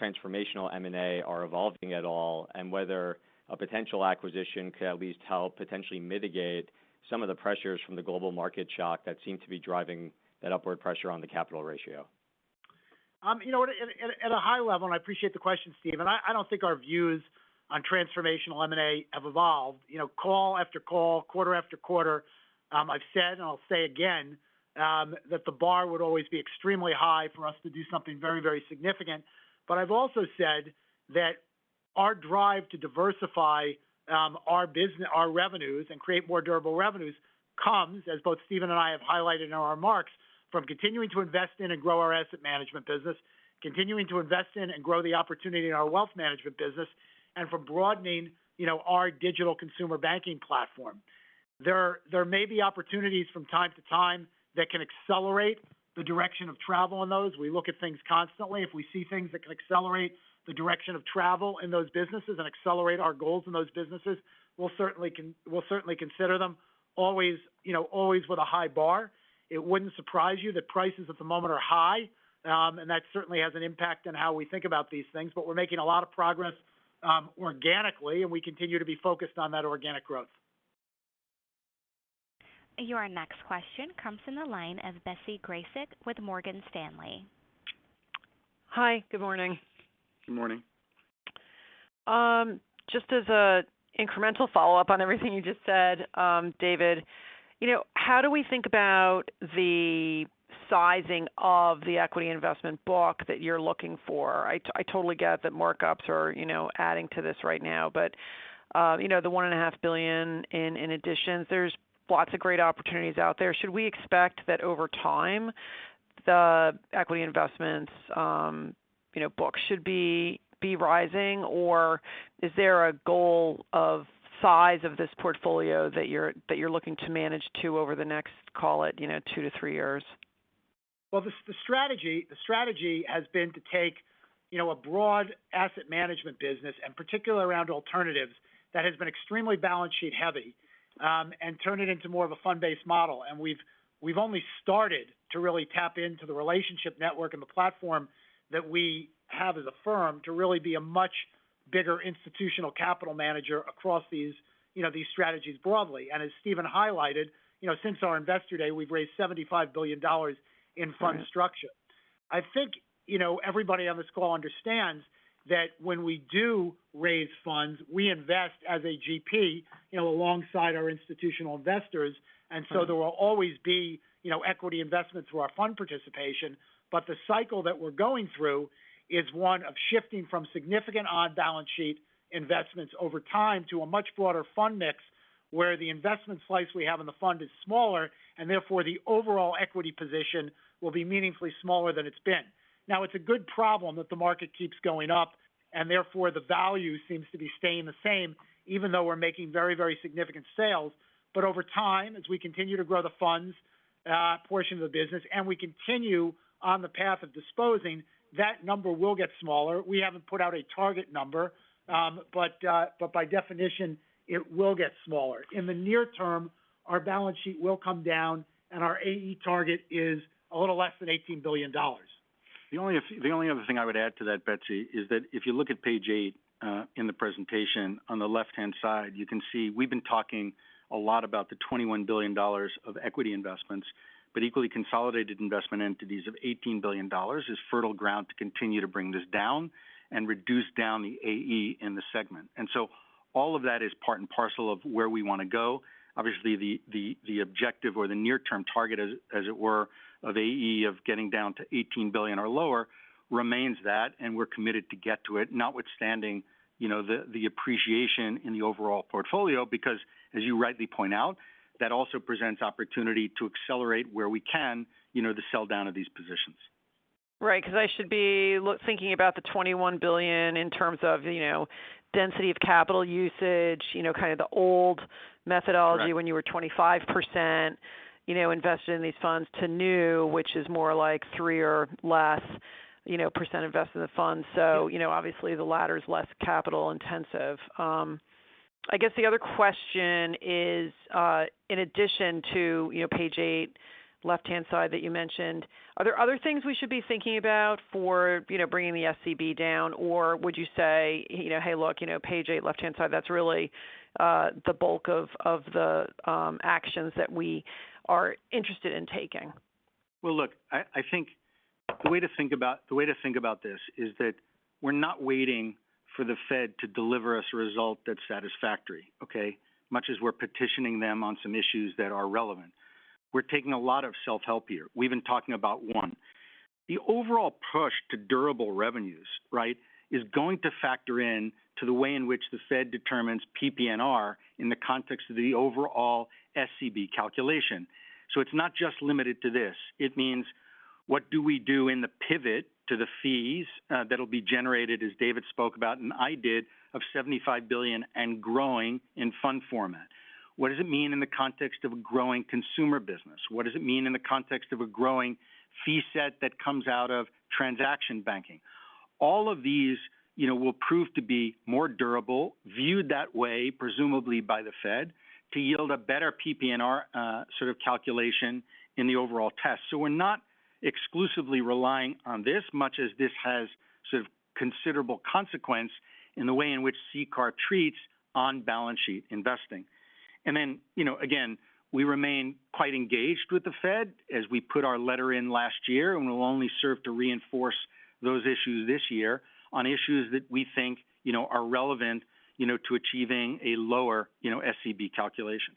transformational M&A are evolving at all, and whether a potential acquisition could at least help potentially mitigate some of the pressures from the global market shock that seem to be driving that upward pressure on the capital ratio. At a high level, and I appreciate the question, Steven, I don't think our views on transformational M&A have evolved. Call after call, quarter after quarter, I've said and I'll say again that the bar would always be extremely high for us to do something very significant. I've also said that our drive to diversify our revenues and create more durable revenues comes, as both Stephen and I have highlighted in our remarks, from continuing to invest in and grow our asset management business, continuing to invest in and grow the opportunity in our wealth management business, and from broadening our digital consumer banking platform. There may be opportunities from time to time that can accelerate the direction of travel in those. We look at things constantly. If we see things that can accelerate the direction of travel in those businesses and accelerate our goals in those businesses, we'll certainly consider them. Always with a high bar. It wouldn't surprise you that prices at the moment are high, and that certainly has an impact on how we think about these things. We're making a lot of progress organically, and we continue to be focused on that organic growth. Your next question comes from the line of Betsy Graseck with Morgan Stanley. Hi, good morning. Good morning. Just as an incremental follow-up on everything you just said, David. How do we think about the sizing of the equity investment book that you're looking for? I totally get that markups are adding to this right now. The $1.5 billion in additions, there's lots of great opportunities out there. Should we expect that over time the equity investments book should be rising, or is there a goal of size of this portfolio that you're looking to manage to over the next, call it two to three years? Well, the strategy has been to take a broad asset management business, and particularly around alternatives that has been extremely balance sheet heavy, and turn it into more of a fund-based model. We've only started to really tap into the relationship network and the platform that we have as a firm to really be a much bigger institutional capital manager across these strategies broadly. As Stephen highlighted, since our Investor Day, we've raised $75 billion in fund structure. I think everybody on this call understands that when we do raise funds, we invest as a GP alongside our institutional investors. So there will always be equity investments through our fund participation. The cycle that we're going through is one of shifting from significant on-balance sheet investments over time to a much broader fund mix where the investment slice we have in the fund is smaller, and therefore the overall equity position will be meaningfully smaller than it's been. Now, it's a good problem that the market keeps going up, and therefore the value seems to be staying the same even though we're making very significant sales. Over time, as we continue to grow the funds portion of the business, and we continue on the path of disposing, that number will get smaller. We haven't put out a target number. By definition, it will get smaller. In the near term, our balance sheet will come down, and our AE target is a little less than $18 billion. The only other thing I would add to that, Betsy, is that if you look at page eight in the presentation, on the left-hand side, you can see we've been talking a lot about the $21 billion of equity investments. Equally consolidated investment entities of $18 billion is fertile ground to continue to bring this down and reduce down the AE in the segment. All of that is part and parcel of where we want to go. Obviously, the objective or the near-term target as it were of AE of getting down to $18 billion or lower remains that, and we're committed to get to it. Notwithstanding the appreciation in the overall portfolio because, as you rightly point out, that also presents opportunity to accelerate where we can the sell-down of these positions. Right, because I should be thinking about the $21 billion in terms of density of capital usage, kind of the old methodology when you were 25% invested in these funds to new, which is more like 3% or less invested in the fund. Obviously the latter is less capital intensive. I guess the other question is, in addition to page eight, left-hand side that you mentioned, are there other things we should be thinking about for bringing the SCB down? Would you say, "Hey, look, page eight, left-hand side, that's really the bulk of the actions that we are interested in taking? Well, look, I think the way to think about this is that we're not waiting for the Fed to deliver us a result that's satisfactory, okay? Much as we're petitioning them on some issues that are relevant. We're taking a lot of self-help here. We've been talking about one. The overall push to durable revenues, is going to factor in to the way in which the Fed determines PPNR in the context of the overall SCB calculation. It's not just limited to this. It means what do we do in the pivot to the fees that'll be generated, as David spoke about and I did, of $75 billion and growing in fund formats. What does it mean in the context of a growing consumer business? What does it mean in the context of a growing fee set that comes out of transaction banking? All of these will prove to be more durable, viewed that way, presumably by the Fed, to yield a better PPNR sort of calculation in the overall test. We're not exclusively relying on this much as this has sort of considerable consequence in the way in which CCAR treats on-balance-sheet investing. Again, we remain quite engaged with the Fed as we put our letter in last year, and we'll only serve to reinforce those issues this year on issues that we think are relevant to achieving a lower SCB calculation.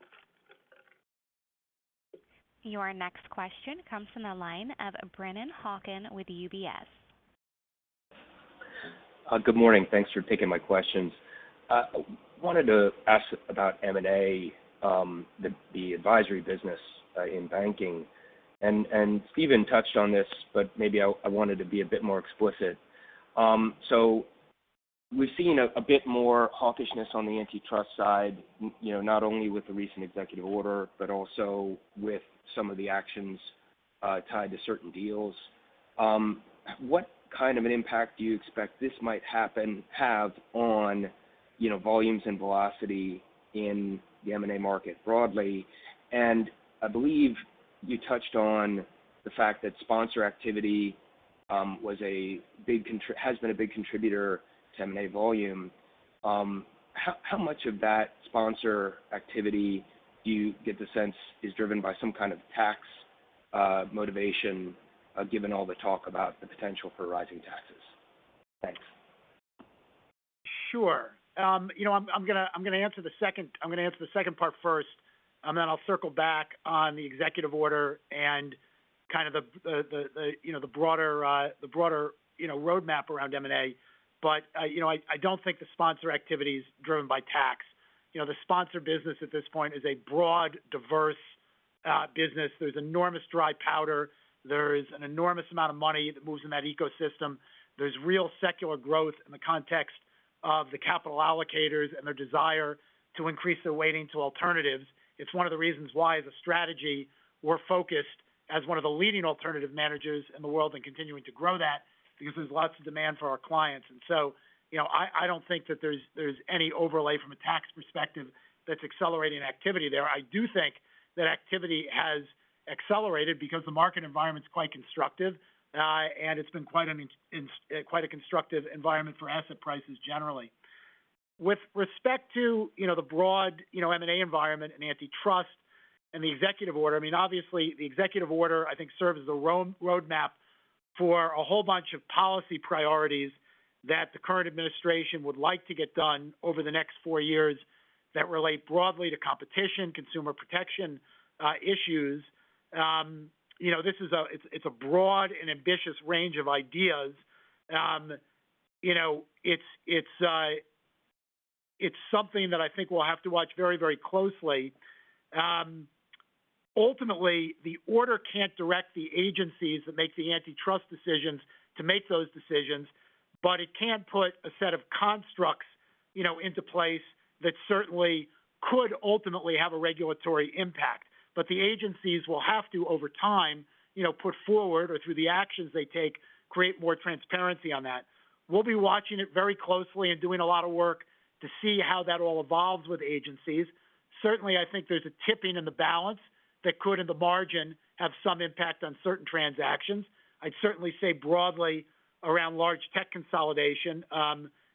Your next question comes from the line of Brennan Hawken with UBS. Good morning. Thanks for taking my questions. I wanted to ask about M&A, the advisory business in banking. Stephen touched on this, but maybe I wanted to be a bit more explicit. We've seen a bit more hawkishness on the antitrust side, not only with the recent executive order, but also with some of the actions tied to certain deals. What kind of impact do you expect this might have on volumes and velocity in the M&A market broadly? I believe you touched on the fact that sponsor activity has been a big contributor to M&A volume. How much of that sponsor activity do you get the sense is driven by some kind of tax motivation, given all the talk about the potential for rising taxes? Thanks. Sure. I'm going to answer the second part first, then I'll circle back on the executive order and kind of the broader roadmap around M&A. I don't think the sponsor activity is driven by tax. The sponsor business at this point is a broad, diverse business. There's enormous dry powder. There's an enormous amount of money that moves in that ecosystem. There's real secular growth in the context of the capital allocators and their desire to increase their weighting to alternatives. It's one of the reasons why as a strategy we're focused as one of the leading alternative managers in the world and continuing to grow that because there's lots of demand for our clients. I don't think that there's any overlay from a tax perspective that's accelerating activity there. I do think that activity has accelerated because the market environment's quite constructive, and it's been quite a constructive environment for asset prices generally. With respect to the broad M&A environment and antitrust and the executive order, obviously the executive order I think serves as a roadmap for a whole bunch of policy priorities that the current administration would like to get done over the next four years that relate broadly to competition, consumer protection issues. It's a broad and ambitious range of ideas. It's something that I think we'll have to watch very closely. Ultimately, the order can't direct the agencies that make the antitrust decisions to make those decisions, but it can put a set of constructs into place that certainly could ultimately have a regulatory impact. The agencies will have to, over time, put forward or through the actions they take, create more transparency on that. We'll be watching it very closely and doing a lot of work to see how that all evolves with agencies. Certainly, I think there's a tipping in the balance that could, in the margin, have some impact on certain transactions. I'd certainly say broadly around large tech consolidation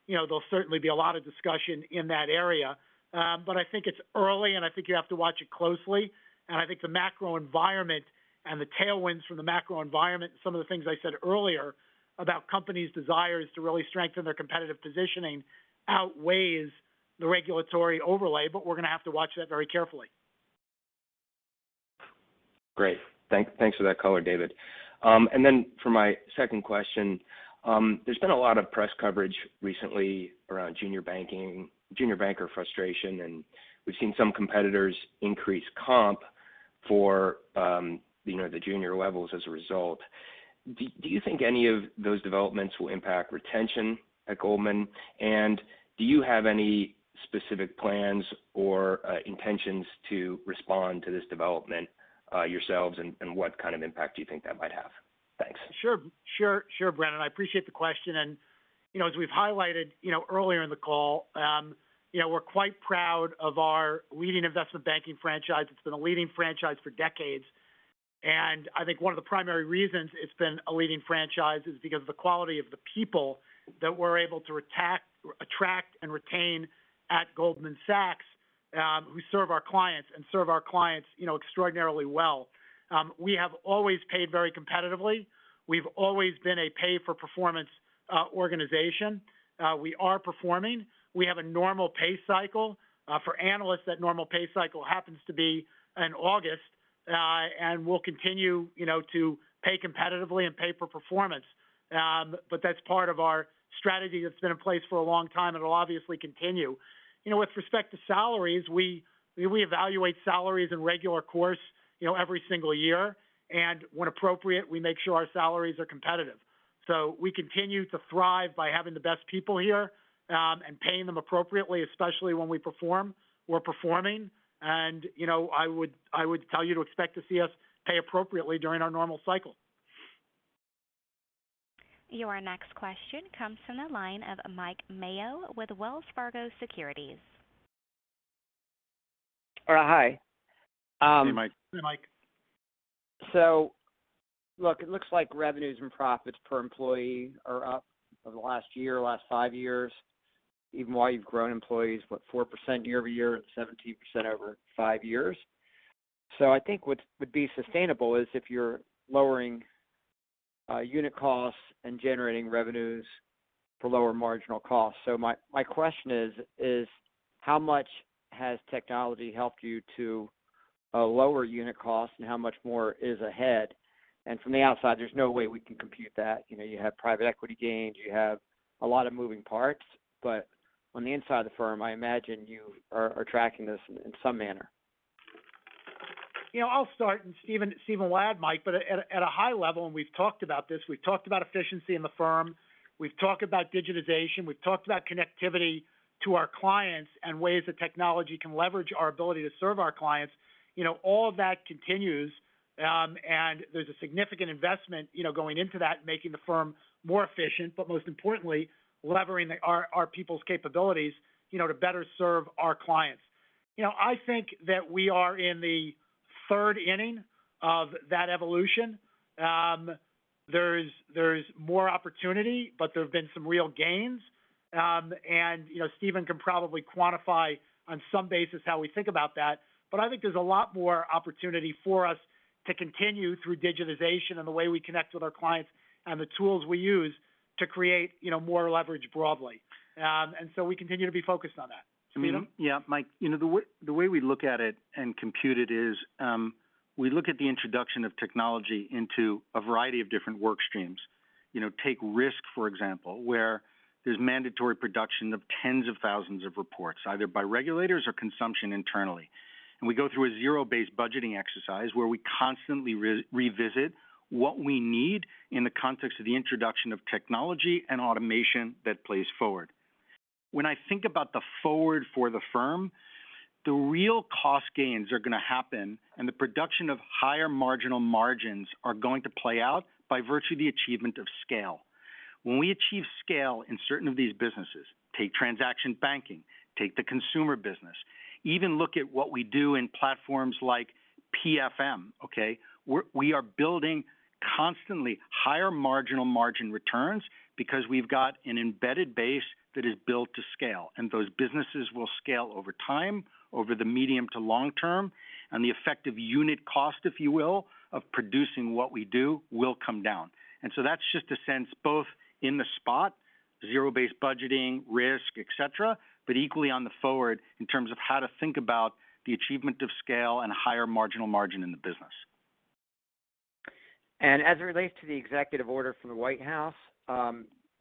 there'll certainly be a lot of discussion in that area. I think it's early, and I think you have to watch it closely. I think the macro environment and the tailwinds from the macro environment, some of the things I said earlier about companies' desires to really strengthen their competitive positioning outweighs the regulatory overlay. We're going to have to watch that very carefully. Great. Thanks for that color, David. Then for my second question, there's been a lot of press coverage recently around junior banker frustration, and we've seen some competitors increase comp for the junior levels as a result. Do you think any of those developments will impact retention at Goldman? Do you have any specific plans or intentions to respond to this development yourselves, and what kind of impact do you think that might have? Thanks. Sure, Brennan. I appreciate the question. As we've highlighted earlier in the call, we're quite proud of our leading investment banking franchise. It's been a leading franchise for decades. I think one of the primary reasons it's been a leading franchise is because of the quality of the people that we're able to attract and retain at Goldman Sachs, who serve our clients and serve our clients extraordinarily well. We have always paid very competitively. We've always been a pay-for-performance organization. We are performing. We have a normal pay cycle. For analysts, that normal pay cycle happens to be in August. We'll continue to pay competitively and pay for performance. That's part of our strategy that's been in place for a long time, and it'll obviously continue. With respect to salaries, we evaluate salaries in regular course every single year, when appropriate, we make sure our salaries are competitive. We continue to thrive by having the best people here and paying them appropriately, especially when we're performing. I would tell you to expect to see us pay appropriately during our normal cycle. Your next question comes from the line of Mike Mayo with Wells Fargo Securities. Hi. Hey, Mike. Look, it looks like revenues and profits per employee are up over the last year, last five years, even while you've grown employees, what, 4% year-over-year and 17% over five years. I think what would be sustainable is if you're lowering unit costs and generating revenues to lower marginal costs. My question is, how much has technology helped you to lower unit costs and how much more is ahead? From the outside, there's no way we can compute that. You have private equity gains, you have a lot of moving parts. On the inside of the firm, I imagine you are tracking this in some manner. I'll start. Stephen will add, Mike. At a high level, and we've talked about this, we've talked about efficiency in the firm, we've talked about digitization, we've talked about connectivity to our clients and ways that technology can leverage our ability to serve our clients. All of that continues, and there's a significant investment going into that and making the firm more efficient, but most importantly, leveraging our people's capabilities to better serve our clients. I think that we are in the third inning of that evolution. There's more opportunity, but there's been some real gains. Stephen can probably quantify on some basis how we think about that, but I think there's a lot more opportunity for us to continue through digitization and the way we connect with our clients and the tools we use to create more leverage broadly. We continue to be focused on that. Stephen? Yeah, Mike, the way we look at it and compute it is we look at the introduction of technology into a variety of different work streams. Take risk, for example, where there's mandatory production of tens of thousands of reports, either by regulators or consumption internally. We go through a zero-based budgeting exercise where we constantly revisit what we need in the context of the introduction of technology and automation that plays forward. When I think about the forward for the firm, the real cost gains are going to happen and the production of higher marginal margins are going to play out by virtue of the achievement of scale. When we achieve scale in certain of these businesses, take transaction banking, take the consumer business, even look at what we do in platforms like PFM, okay? We are building constantly higher marginal margin returns because we've got an embedded base that is built to scale, and those businesses will scale over time, over the medium to long term, and the effective unit cost, if you will, of producing what we do will come down. That's just a sense both in the spot, the zero-based budgeting, risk, et cetera, but equally on the forward in terms of how to think about the achievement of scale and higher marginal margin in the business. As it relates to the executive order from the White House,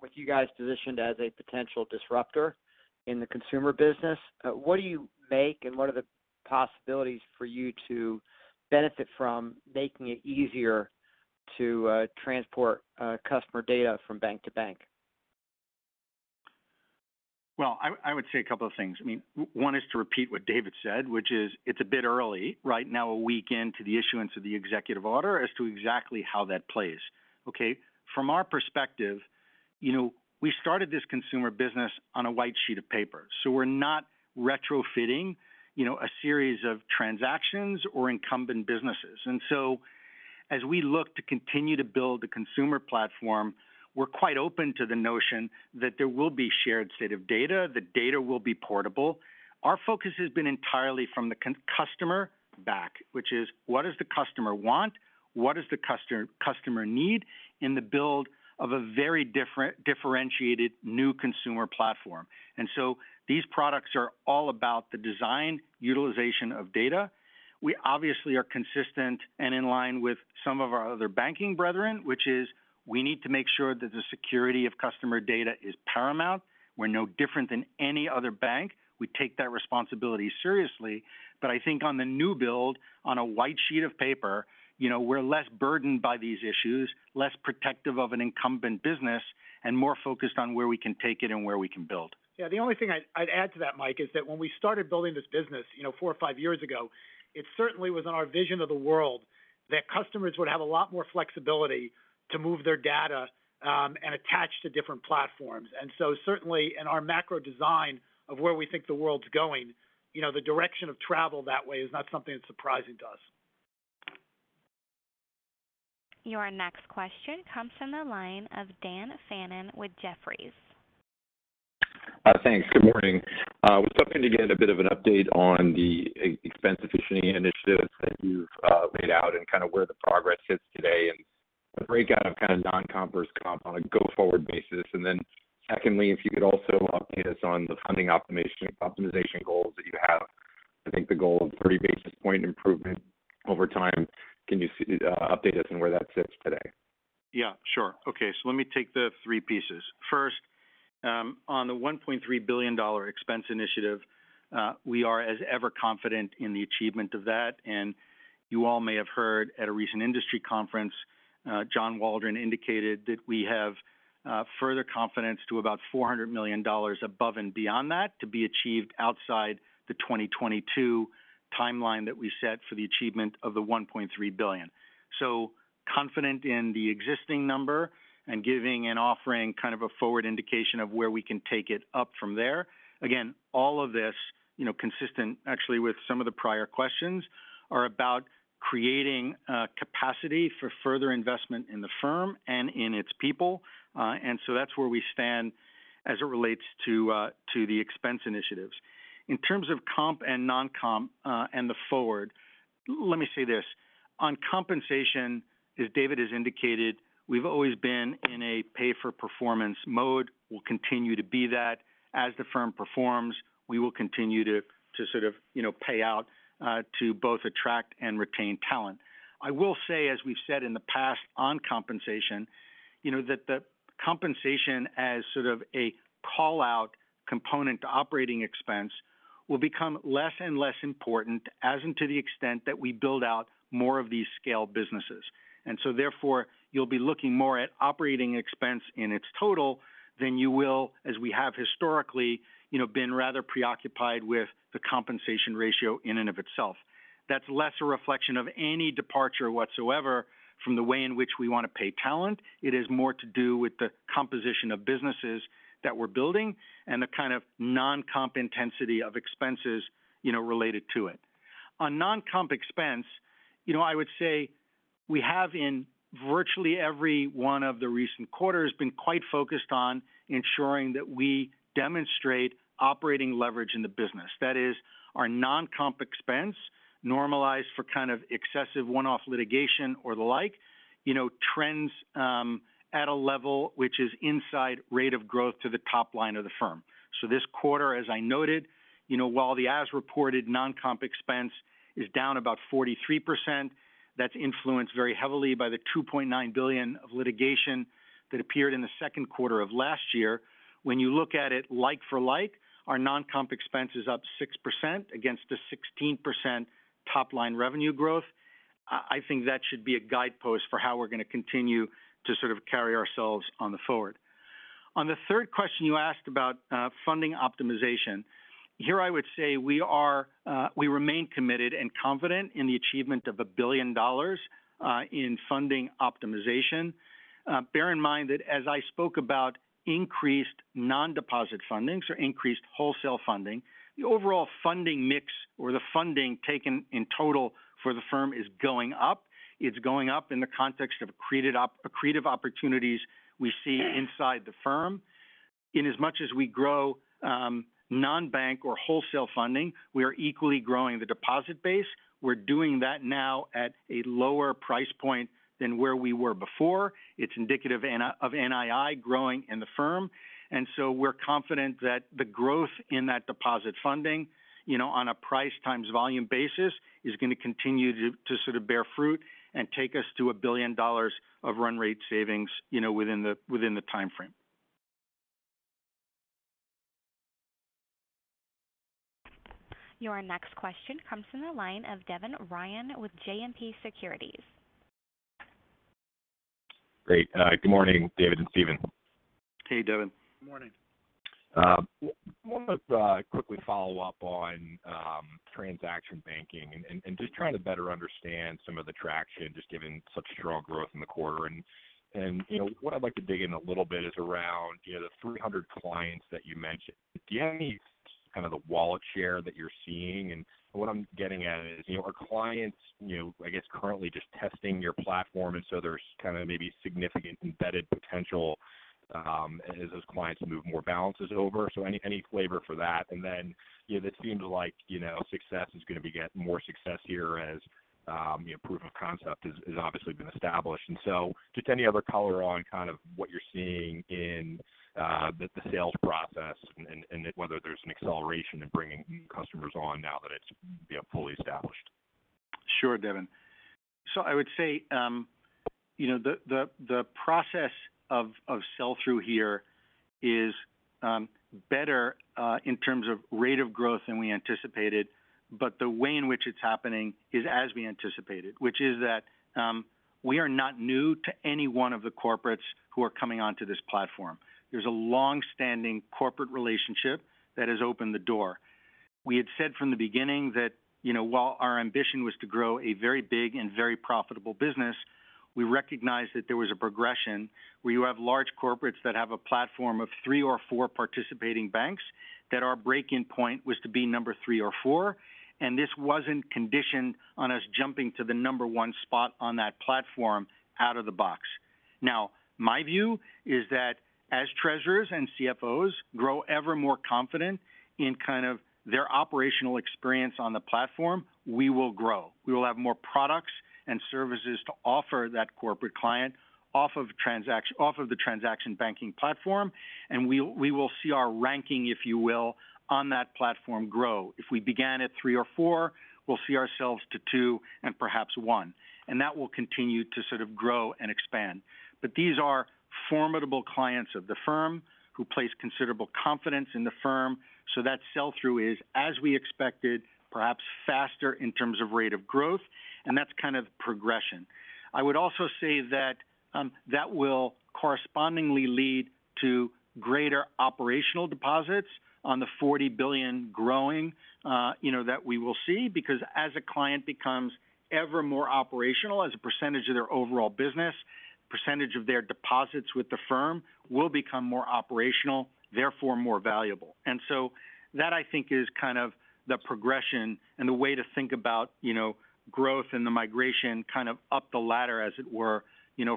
with you guys positioned as a potential disruptor in the consumer business, what do you make and what are the possibilities for you to benefit from making it easier to transport customer data from bank to bank? I would say a couple of things. One is to repeat what David said, which is it's a bit early right now, a week into the issuance of the executive order, as to exactly how that plays. Okay? From our perspective, we started this consumer business on a white sheet of paper. We're not retrofitting a series of transactions or incumbent businesses. As we look to continue to build the consumer platform, we're quite open to the notion that there will be shared state of data, that data will be portable. Our focus has been entirely from the customer back, which is what does the customer want? What does the customer need? In the build of a very differentiated new consumer platform. These products are all about the design, utilization of data. We obviously are consistent and in line with some of our other banking brethren, which is we need to make sure that the security of customer data is paramount. We're no different than any other bank. We take that responsibility seriously. I think on the new build, on a white sheet of paper, we're less burdened by these issues, less protective of an incumbent business, and more focused on where we can take it and where we can build. Yeah, the only thing I'd add to that, Mike, is that when we started building this business four or five years ago, it certainly was in our vision of the world that customers would have a lot more flexibility to move their data and attach to different platforms. Certainly in our macro design of where we think the world's going, the direction of travel that way is not something that's surprising to us. Your next question comes from the line of Dan Fannon with Jefferies. Thanks. Good morning. I was hoping to get a bit of an update on the expense efficiency initiatives that you've laid out and where the progress sits today, and the breakout of non-comp versus comp on a go-forward basis. Secondly, if you could also update us on the funding optimization goals that you have. I think the goal is 3 basis point improvement over time. Can you update us on where that sits today? Yeah, sure. Okay. Let me take the three pieces. First, on the $1.3 billion expense initiative, we are as ever confident in the achievement of that. You all may have heard at a recent industry conference, John Waldron indicated that we have further confidence to about $400 million above and beyond that to be achieved outside the 2022 timeline that we set for the achievement of the $1.3 billion. Confident in the existing number and giving and offering a forward indication of where we can take it up from there. Again, all of this, consistent actually with some of the prior questions, are about creating capacity for further investment in the firm and in its people. That's where we stand as it relates to the expense initiatives. In terms of comp and non-comp, and the forward, let me say this. On compensation, as David has indicated, we've always been in a pay-for-performance mode. We'll continue to be that. As the firm performs, we will continue to pay out to both attract and retain talent. I will say, as we've said in the past on compensation, that the compensation as sort of a call-out component to operating expense will become less and less important as and to the extent that we build out more of these scaled businesses. Therefore, you'll be looking more at operating expense in its total than you will, as we have historically, been rather preoccupied with the compensation ratio in and of itself. That's less a reflection of any departure whatsoever from the way in which we want to pay talent. It is more to do with the composition of businesses that we're building and the kind of non-comp intensity of expenses related to it. On non-comp expense, I would say we have in virtually every one of the recent quarters been quite focused on ensuring that we demonstrate operating leverage in the business. That is our non-comp expense normalized for kind of excessive one-off litigation or the like, trends at a level which is inside rate of growth to the top line of the firm. This quarter, as I noted, while the as-reported non-comp expense is down about 43%, that's influenced very heavily by the $2.9 billion of litigation that appeared in the second quarter of last year. When you look at it like for like, our non-comp expense is up 6% against the 16% top-line revenue growth. I think that should be a guidepost for how we're going to continue to sort of carry ourselves on the forward. On the third question you asked about funding optimization. Here I would say we remain committed and confident in the achievement of $1 billion in funding optimization. Bear in mind that as I spoke about increased non-deposit funding, so increased wholesale funding, the overall funding mix or the funding taken in total for the firm is going up. It's going up in the context of accretive opportunities we see inside the firm. Inasmuch as we grow non-bank or wholesale funding, we are equally growing the deposit base. We're doing that now at a lower price point than where we were before. It's indicative of NII growing in the firm. We're confident that the growth in that deposit funding, on a price times volume basis, is going to continue to sort of bear fruit and take us to $1 billion of run rate savings within the timeframe. Your next question comes from the line of Devin Ryan with JMP Securities. Great. Good morning, David and Stephen. Hey, Devin. Morning. I want to quickly follow up on transaction banking and just trying to better understand some of the traction, just given subzero growth in the quarter. What I'd like to dig in a little bit is around the 300 clients that you mentioned. Do you have any kind of the wallet share that you're seeing? What I'm getting at is, are clients, I guess, currently just testing your platform, and so there's kind of maybe significant embedded potential as those clients move more balances over. Any flavor for that, and then this seems like success is going to beget more success here as proof of concept has obviously been established. Just any other color on kind of what you're seeing in the sales process and whether there's an acceleration in bringing customers on now that it's fully established. Sure, Devin. I would say the process of sell-through here is better in terms of rate of growth than we anticipated, but the way in which it's happening is as we anticipated. Which is that we are not new to any one of the corporates who are coming onto this platform. There's a longstanding corporate relationship that has opened the door. We had said from the beginning that while our ambition was to grow a very big and very profitable business, we recognized that there was a progression where you have large corporates that have a platform of three or four participating banks, that our break-in point was to be number three or four, and this wasn't conditioned on us jumping to the number spot on that platform out of the box. My view is that as treasurers and CFOs grow ever more confident in their operational experience on the platform, we will grow. We will have more products and services to offer that corporate client off of the transaction banking platform, and we will see our ranking, if you will, on that platform grow. If we began at three or four, we'll see ourselves to two and perhaps one. That will continue to sort of grow and expand. These are formidable clients of the firm who place considerable confidence in the firm. That sell-through is, as we expected, perhaps faster in terms of rate of growth, and that's kind of the progression. I would also say that that will correspondingly lead to greater operational deposits on the $40 billion growing that we will see because as a client becomes ever more operational as a percentage of their overall business, percentage of their deposits with the firm will become more operational, therefore more valuable. That I think is kind of the progression and a way to think about growth and the migration kind of up the ladder, as it were,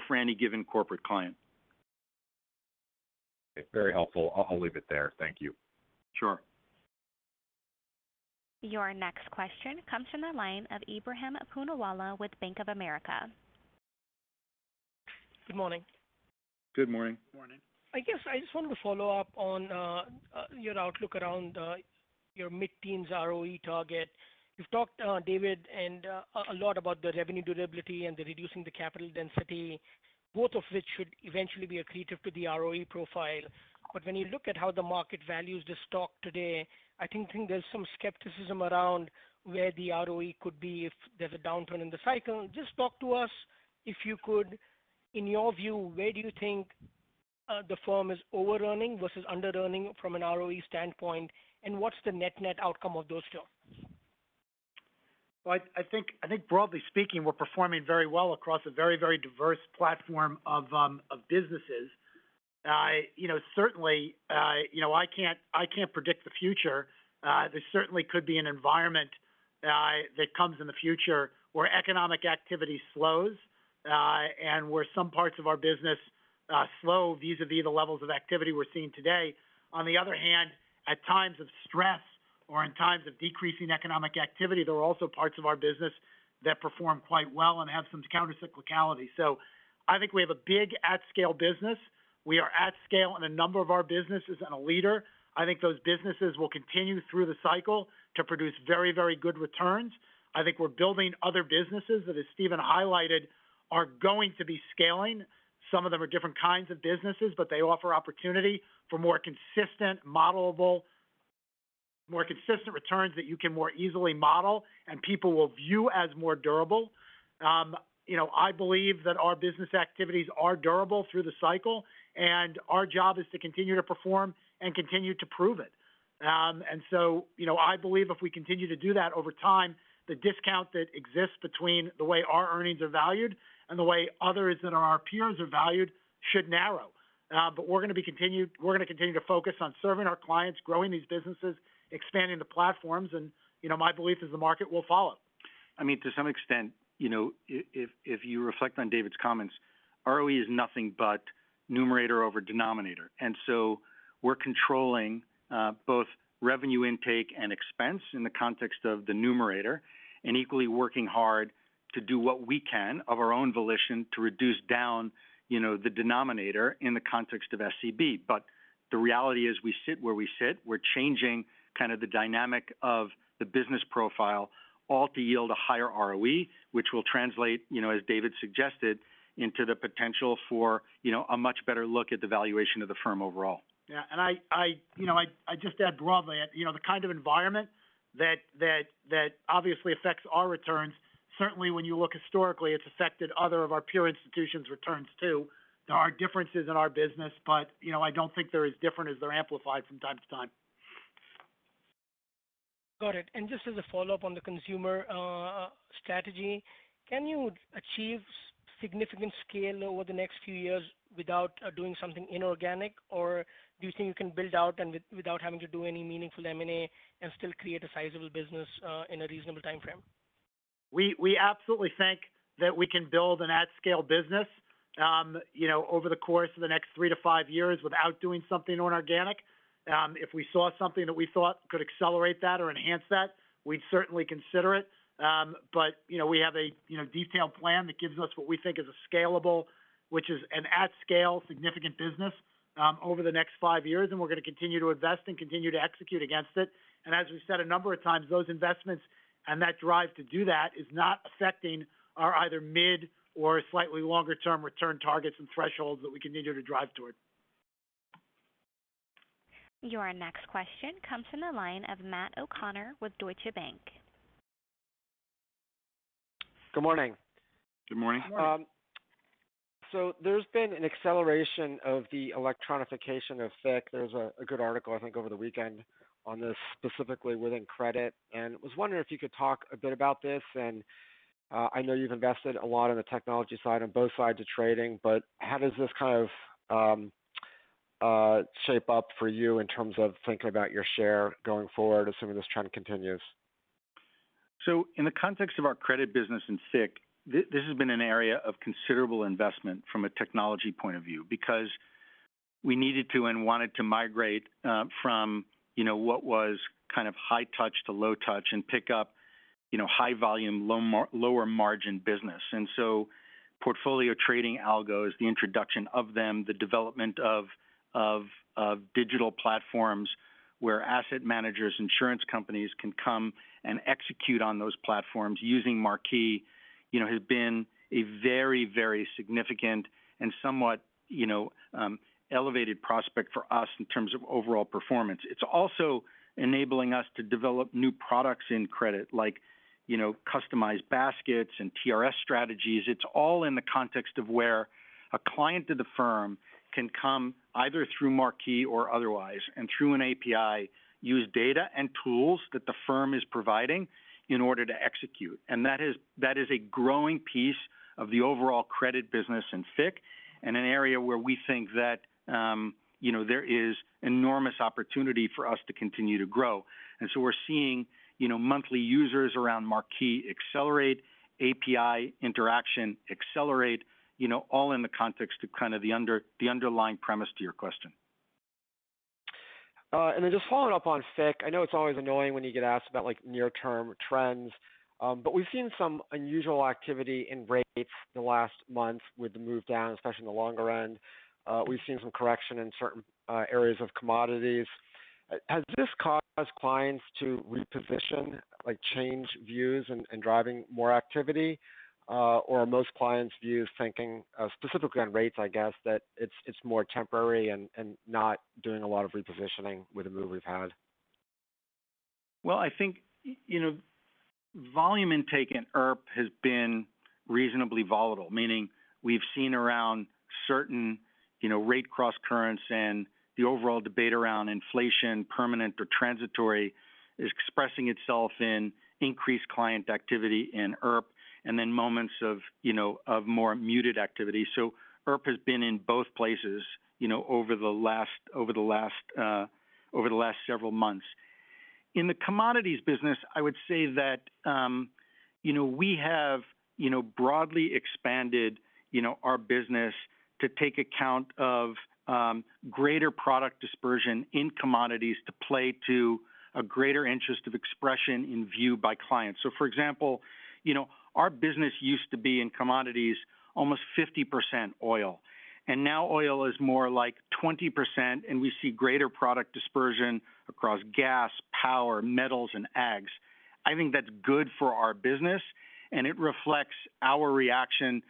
for any given corporate client. Very helpful. I'll leave it there. Thank you. Sure. Your next question comes from the line of Ebrahim Poonawala with Bank of America. Good morning. Good morning. Morning. I guess I just wanted to follow up on your outlook around your mid-teens ROE target. You've talked, David, a lot about the revenue durability and the reducing the capital density, both of which should eventually be accretive to the ROE profile. When you look at how the market values the stock today, I do think there's some skepticism around where the ROE could be if there's a downturn in the cycle. Just talk to us, if you could, in your view, where do you think the firm is over-earning versus under-earning from an ROE standpoint, and what's the net-net outcome of those two? Well, I think broadly speaking, we're performing very well across a very, very diverse platform of businesses. I can't predict the future. There certainly could be an environment that comes in the future where economic activity slows, and where some parts of our business slow vis-a-vis the levels of activity we're seeing today. On the other hand, at times of stress or in times of decreasing economic activity, there are also parts of our business that perform quite well and have some counter-cyclicality. I think we have a big at-scale business. We are at scale in a number of our businesses and a leader. I think those businesses will continue through the cycle to produce very, very good returns. I think we're building other businesses that, as Stephen highlighted, are going to be scaling. Some of them are different kinds of businesses, they offer opportunity for more consistent returns that you can more easily model and people will view as more durable. I believe that our business activities are durable through the cycle, our job is to continue to perform and continue to prove it. I believe if we continue to do that over time, the discount that exists between the way our earnings are valued and the way others and our peers are valued should narrow. We're going to continue to focus on serving our clients, growing these businesses, expanding the platforms, and my belief is the market will follow. I mean, to some extent, if you reflect on David's comments, ROE is nothing but numerator over denominator. We're controlling both revenue intake and expense in the context of the numerator, and equally working hard to do what we can of our own volition to reduce down the denominator in the context of SCB. The reality is we sit where we sit. We're changing kind of the dynamic of the business profile all to yield a higher ROE, which will translate, as David suggested, into the potential for a much better look at the valuation of the firm overall. Yeah. I just add broadly, the kind of environment that obviously affects our returns, certainly when you look historically, it's affected other of our peer institutions' returns too. There are differences in our business, but I don't think they're as different as they're amplified from time to time. Got it. Just as a follow-up on the consumer strategy, can you achieve significant scale over the next few years without doing something inorganic? Do you think you can build out without having to do any meaningful M&A and still create a sizable business in a reasonable timeframe? We absolutely think that we can build an at-scale business over the course of the next three to five years without doing something inorganic. If we saw something that we thought could accelerate that or enhance that, we'd certainly consider it. We have a detailed plan that gives us what we think is a scalable, which is an at scale, significant business over the next five years, and we're going to continue to invest and continue to execute against it. As we said a number of times, those investments, and that drive to do that is not affecting our either mid or slightly longer-term return targets and thresholds that we continue to drive toward. Your next question comes from the line of Matt O'Connor with Deutsche Bank. Good morning. Good morning. There's been an acceleration of the electronification of FICC. There was a good article, I think, over the weekend on this specifically within credit. I was wondering if you could talk a bit about this, and I know you've invested a lot in the technology side on both sides of trading, but how does this kind of shape up for you in terms of think about your share going forward assuming this trend continues? In the context of our credit business in FICC, this has been an area of considerable investment from a technology point of view because we needed to and wanted to migrate from what was kind of high touch to low touch and pick up high volume, lower margin business. Portfolio trading algos, the introduction of them, the development of digital platforms where asset managers, insurance companies can come and execute on those platforms using Marquee, has been a very significant and somewhat elevated prospect for us in terms of overall performance. It's also enabling us to develop new products in credit like customized baskets and TRS strategies. It's all in the context of where a client of the firm can come either through Marquee or otherwise, and through an API, use data and tools that the firm is providing in order to execute. That is a growing piece of the overall credit business in FICC, and an area where we think that there is enormous opportunity for us to continue to grow. We're seeing monthly users around Marquee accelerate, API interaction accelerate, all in the context of kind of the underlying premise to your question. Just following up on FICC, I know it's always annoying when you get asked about near-term trends, but we've seen some unusual activity in rates in the last month with the move down, especially on the longer end. We've seen some correction in certain areas of commodities. Has this caused clients to reposition, change views, and driving more activity? Are most clients' views thinking specifically on rates, I guess that it's more temporary and not doing a lot of repositioning with the move we've had? I think volume intake in IRP has been reasonably volatile, meaning we've seen around certain rate cross currents and the overall debate around inflation, permanent or transitory, expressing itself in increased client activity in IRP, and then moments of more muted activity. IRP has been in both places over the last several months. In the commodities business, I would say that we have broadly expanded our business to take account of greater product dispersion in commodities to play to a greater interest of expression in view by clients. For example, our business used to be in commodities almost 50% oil, and now oil is more like 20%, and we see greater product dispersion across gas, power, metals, and ags. I think that's good for our business, and it reflects our reaction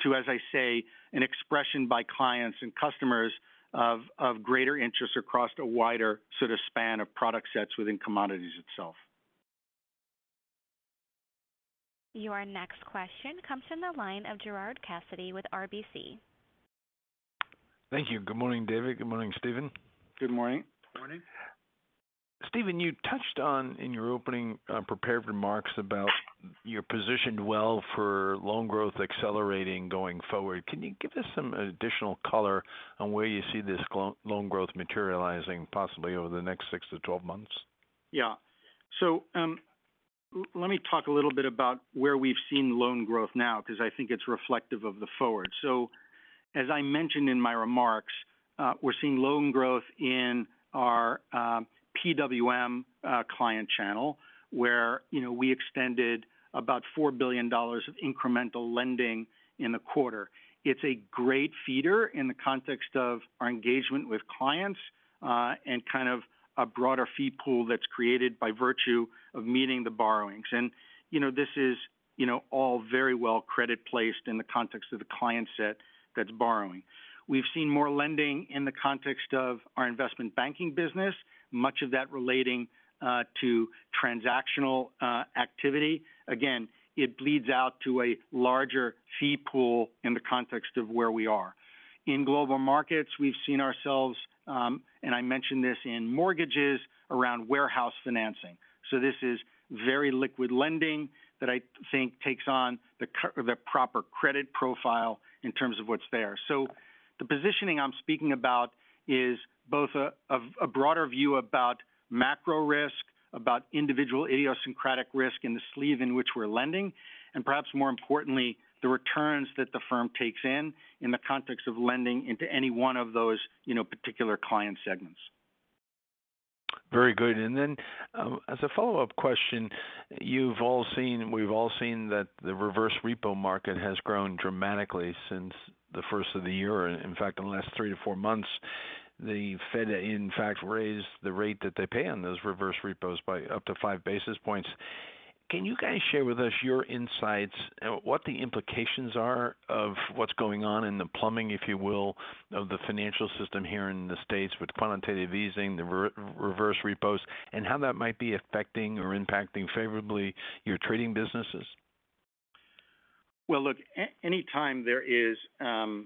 to, as I say, an expression by clients and customers of greater interest across a wider sort of span of product sets within commodities itself. Your next question comes from the line of Gerard Cassidy with RBC. Thank you. Good morning, David. Good morning, Stephen. Good morning. Stephen, you touched on in your opening prepared remarks about you're positioned well for loan growth accelerating going forward. Can you give us some additional color on where you see this loan growth materializing possibly over the next 6 to 12 months? Yeah. Let me talk a little bit about where we've seen loan growth now because I think it's reflective of the forward. As I mentioned in my remarks, we're seeing loan growth in our PWM client channel where we extended about $4 billion of incremental lending in a quarter. It's a great feeder in the context of our engagement with clients, and kind of a broader fee pool that's created by virtue of meeting the borrowings. This is all very well credit placed in the context of the client set that's borrowing. We've seen more lending in the context of our investment banking business, much of that relating to transactional activity. Again, it bleeds out to a larger fee pool in the context of where we are. In global markets, we've seen ourselves, and I mentioned this in mortgages around warehouse financing. This is very liquid lending that I think takes on the proper credit profile in terms of what's there. The positioning I'm speaking about is both a broader view about macro risk, about individual idiosyncratic risk in the sleeve in which we're lending, and perhaps more importantly, the returns that the firm takes in the context of lending into any one of those particular client segments. Very good. As a follow-up question, we've all seen that the reverse repo market has grown dramatically since the first of the year. In fact, in the last three to four months, the Fed in fact raised the rate that they pay on those reverse repos by up to 5 basis points. Can you guys share with us your insights, what the implications are of what's going on in the plumbing, if you will, of the financial system here in the States with quantitative easing, the reverse repos, and how that might be affecting or impacting favorably your trading businesses? Well, look, anytime there is kind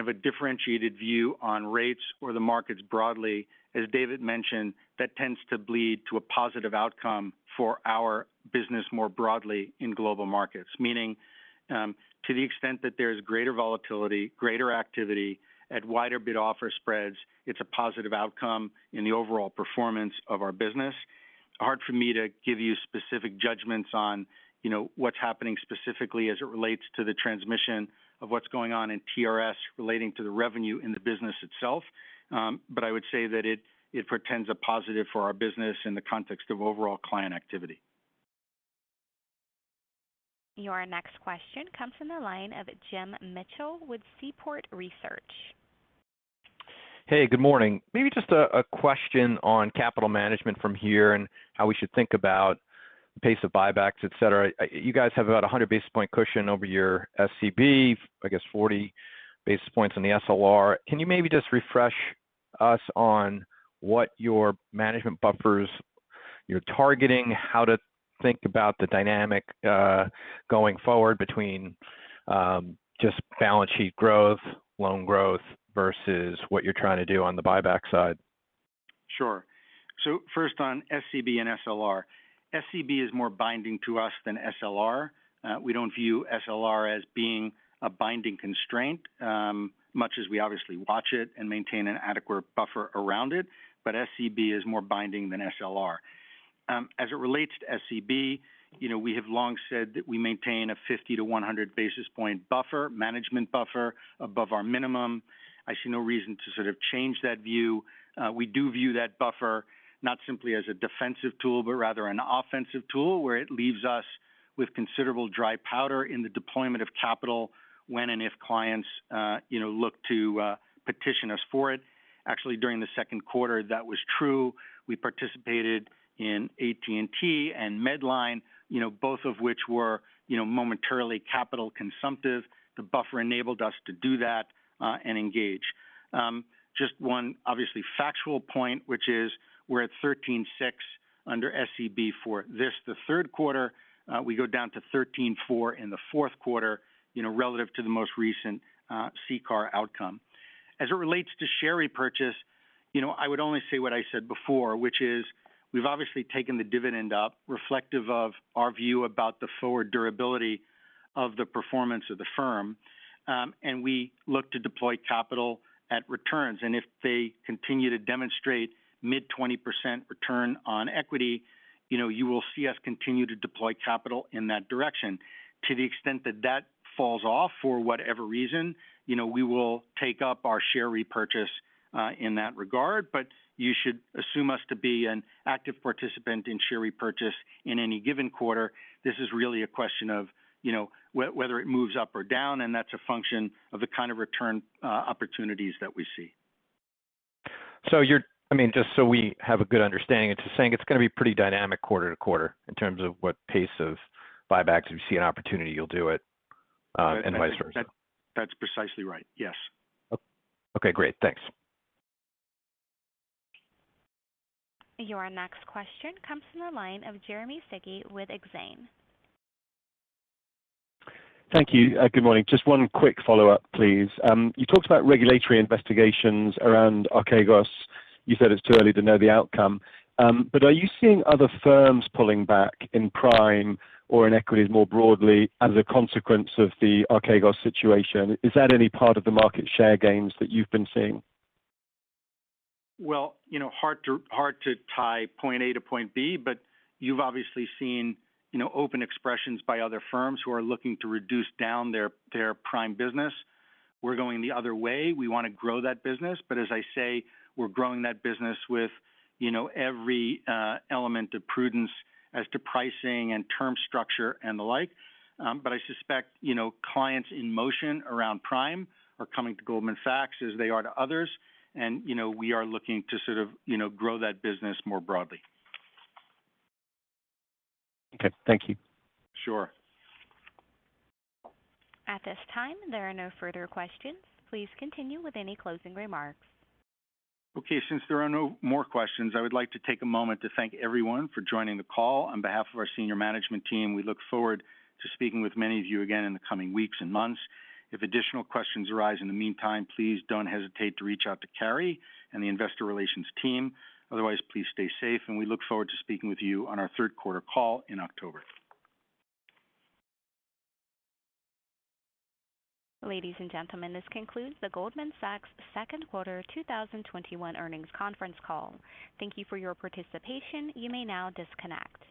of a differentiated view on rates or the markets broadly, as David mentioned, that tends to bleed to a positive outcome for our business more broadly in global markets. Meaning, to the extent that there's greater volatility, greater activity at wider bid-offer spreads, it's a positive outcome in the overall performance of our business. Hard for me to give you specific judgments on what's happening specifically as it relates to the transmission of what's going on in TRS relating to the revenue in the business itself. I would say that it portends a positive for our business in the context of overall client activity. Your next question comes from the line of Jim Mitchell with Seaport Research. Hey, good morning. Maybe just a question on capital management from here and how we should think about pace of buybacks, et cetera. You guys have about 100-basis-point cushion over your SCB, I guess 40 basis points on the SLR. Can you maybe just refresh us on what your management buffers you're targeting, how to think about the dynamic going forward between just balance sheet growth, loan growth versus what you're trying to do on the buyback side? Sure. First on SCB and SLR. SCB is more binding to us than SLR. We don't view SLR as being a binding constraint, much as we obviously watch it and maintain an adequate buffer around it. SCB is more binding than SLR. As it relates to SCB, we have long said that we maintain a 50- to 100-basis-point buffer, management buffer above our minimum. I see no reason to sort of change that view. We do view that buffer not simply as a defensive tool but rather an offensive tool where it leaves us with considerable dry powder in the deployment of capital when and if clients look to petition us for it. Actually, during the second quarter, that was true. We participated in AT&T and Medline, both of which were momentarily capital consumptive. The buffer enabled us to do that and engage. Just one obviously factual point which is we're at 13.6 under SCB for this the third quarter. We go down to 13.4 in the fourth quarter, relative to the most recent CCAR outcome. As it relates to share repurchase, I would only say what I said before, which is we've obviously taken the dividend up reflective of our view about the forward durability of the performance of the firm. We look to deploy capital at returns. If they continue to demonstrate mid-20% return on equity, you will see us continue to deploy capital in that direction. To the extent that that falls off for whatever reason, we will take up our share repurchase in that regard. You should assume us to be an active participant in share repurchase in any given quarter. This is really a question of whether it moves up or down. That's a function of the kind of return opportunities that we see. Just so we have a good understanding, just saying it's going to be pretty dynamic quarter to quarter in terms of what pace of buybacks if you see an opportunity you'll do it and vice versa. That's precisely right. Yes. Okay, great. Thanks. Your next question comes from the line of Jeremy Sigee with Exane. Thank you. Good morning. Just one quick follow-up, please. You talked about regulatory investigations around Archegos. You said it's early to know the outcome. Are you seeing other firms pulling back in prime or in equities more broadly as a consequence of the Archegos situation? Is that any part of the market share gains that you've been seeing? Well, hard to tie point A to point B, but you've obviously seen open expressions by other firms who are looking to reduce down their prime business. We're going the other way. We want to grow that business. As I say, we're growing that business with every element of prudence as to pricing and term structure and the like. I suspect clients in motion around prime are coming to Goldman Sachs as they are to others, and we are looking to sort of grow that business more broadly. Okay. Thank you. Sure. At this time, there are no further questions. Please continue with any closing remarks. Okay. Since there are no more questions, I would like to take a moment to thank everyone for joining the call. On behalf of our senior management team, we look forward to speaking with many of you again in the coming weeks and months. If additional questions arise in the meantime, please don't hesitate to reach out to Carey and the Investor Relations team. Otherwise, please stay safe and we look forward to speaking with you on our third quarter call in October. Ladies and gentlemen, this concludes the Goldman Sachs Second Quarter 2021 Earnings Conference Call. Thank you for your participation. You may now disconnect.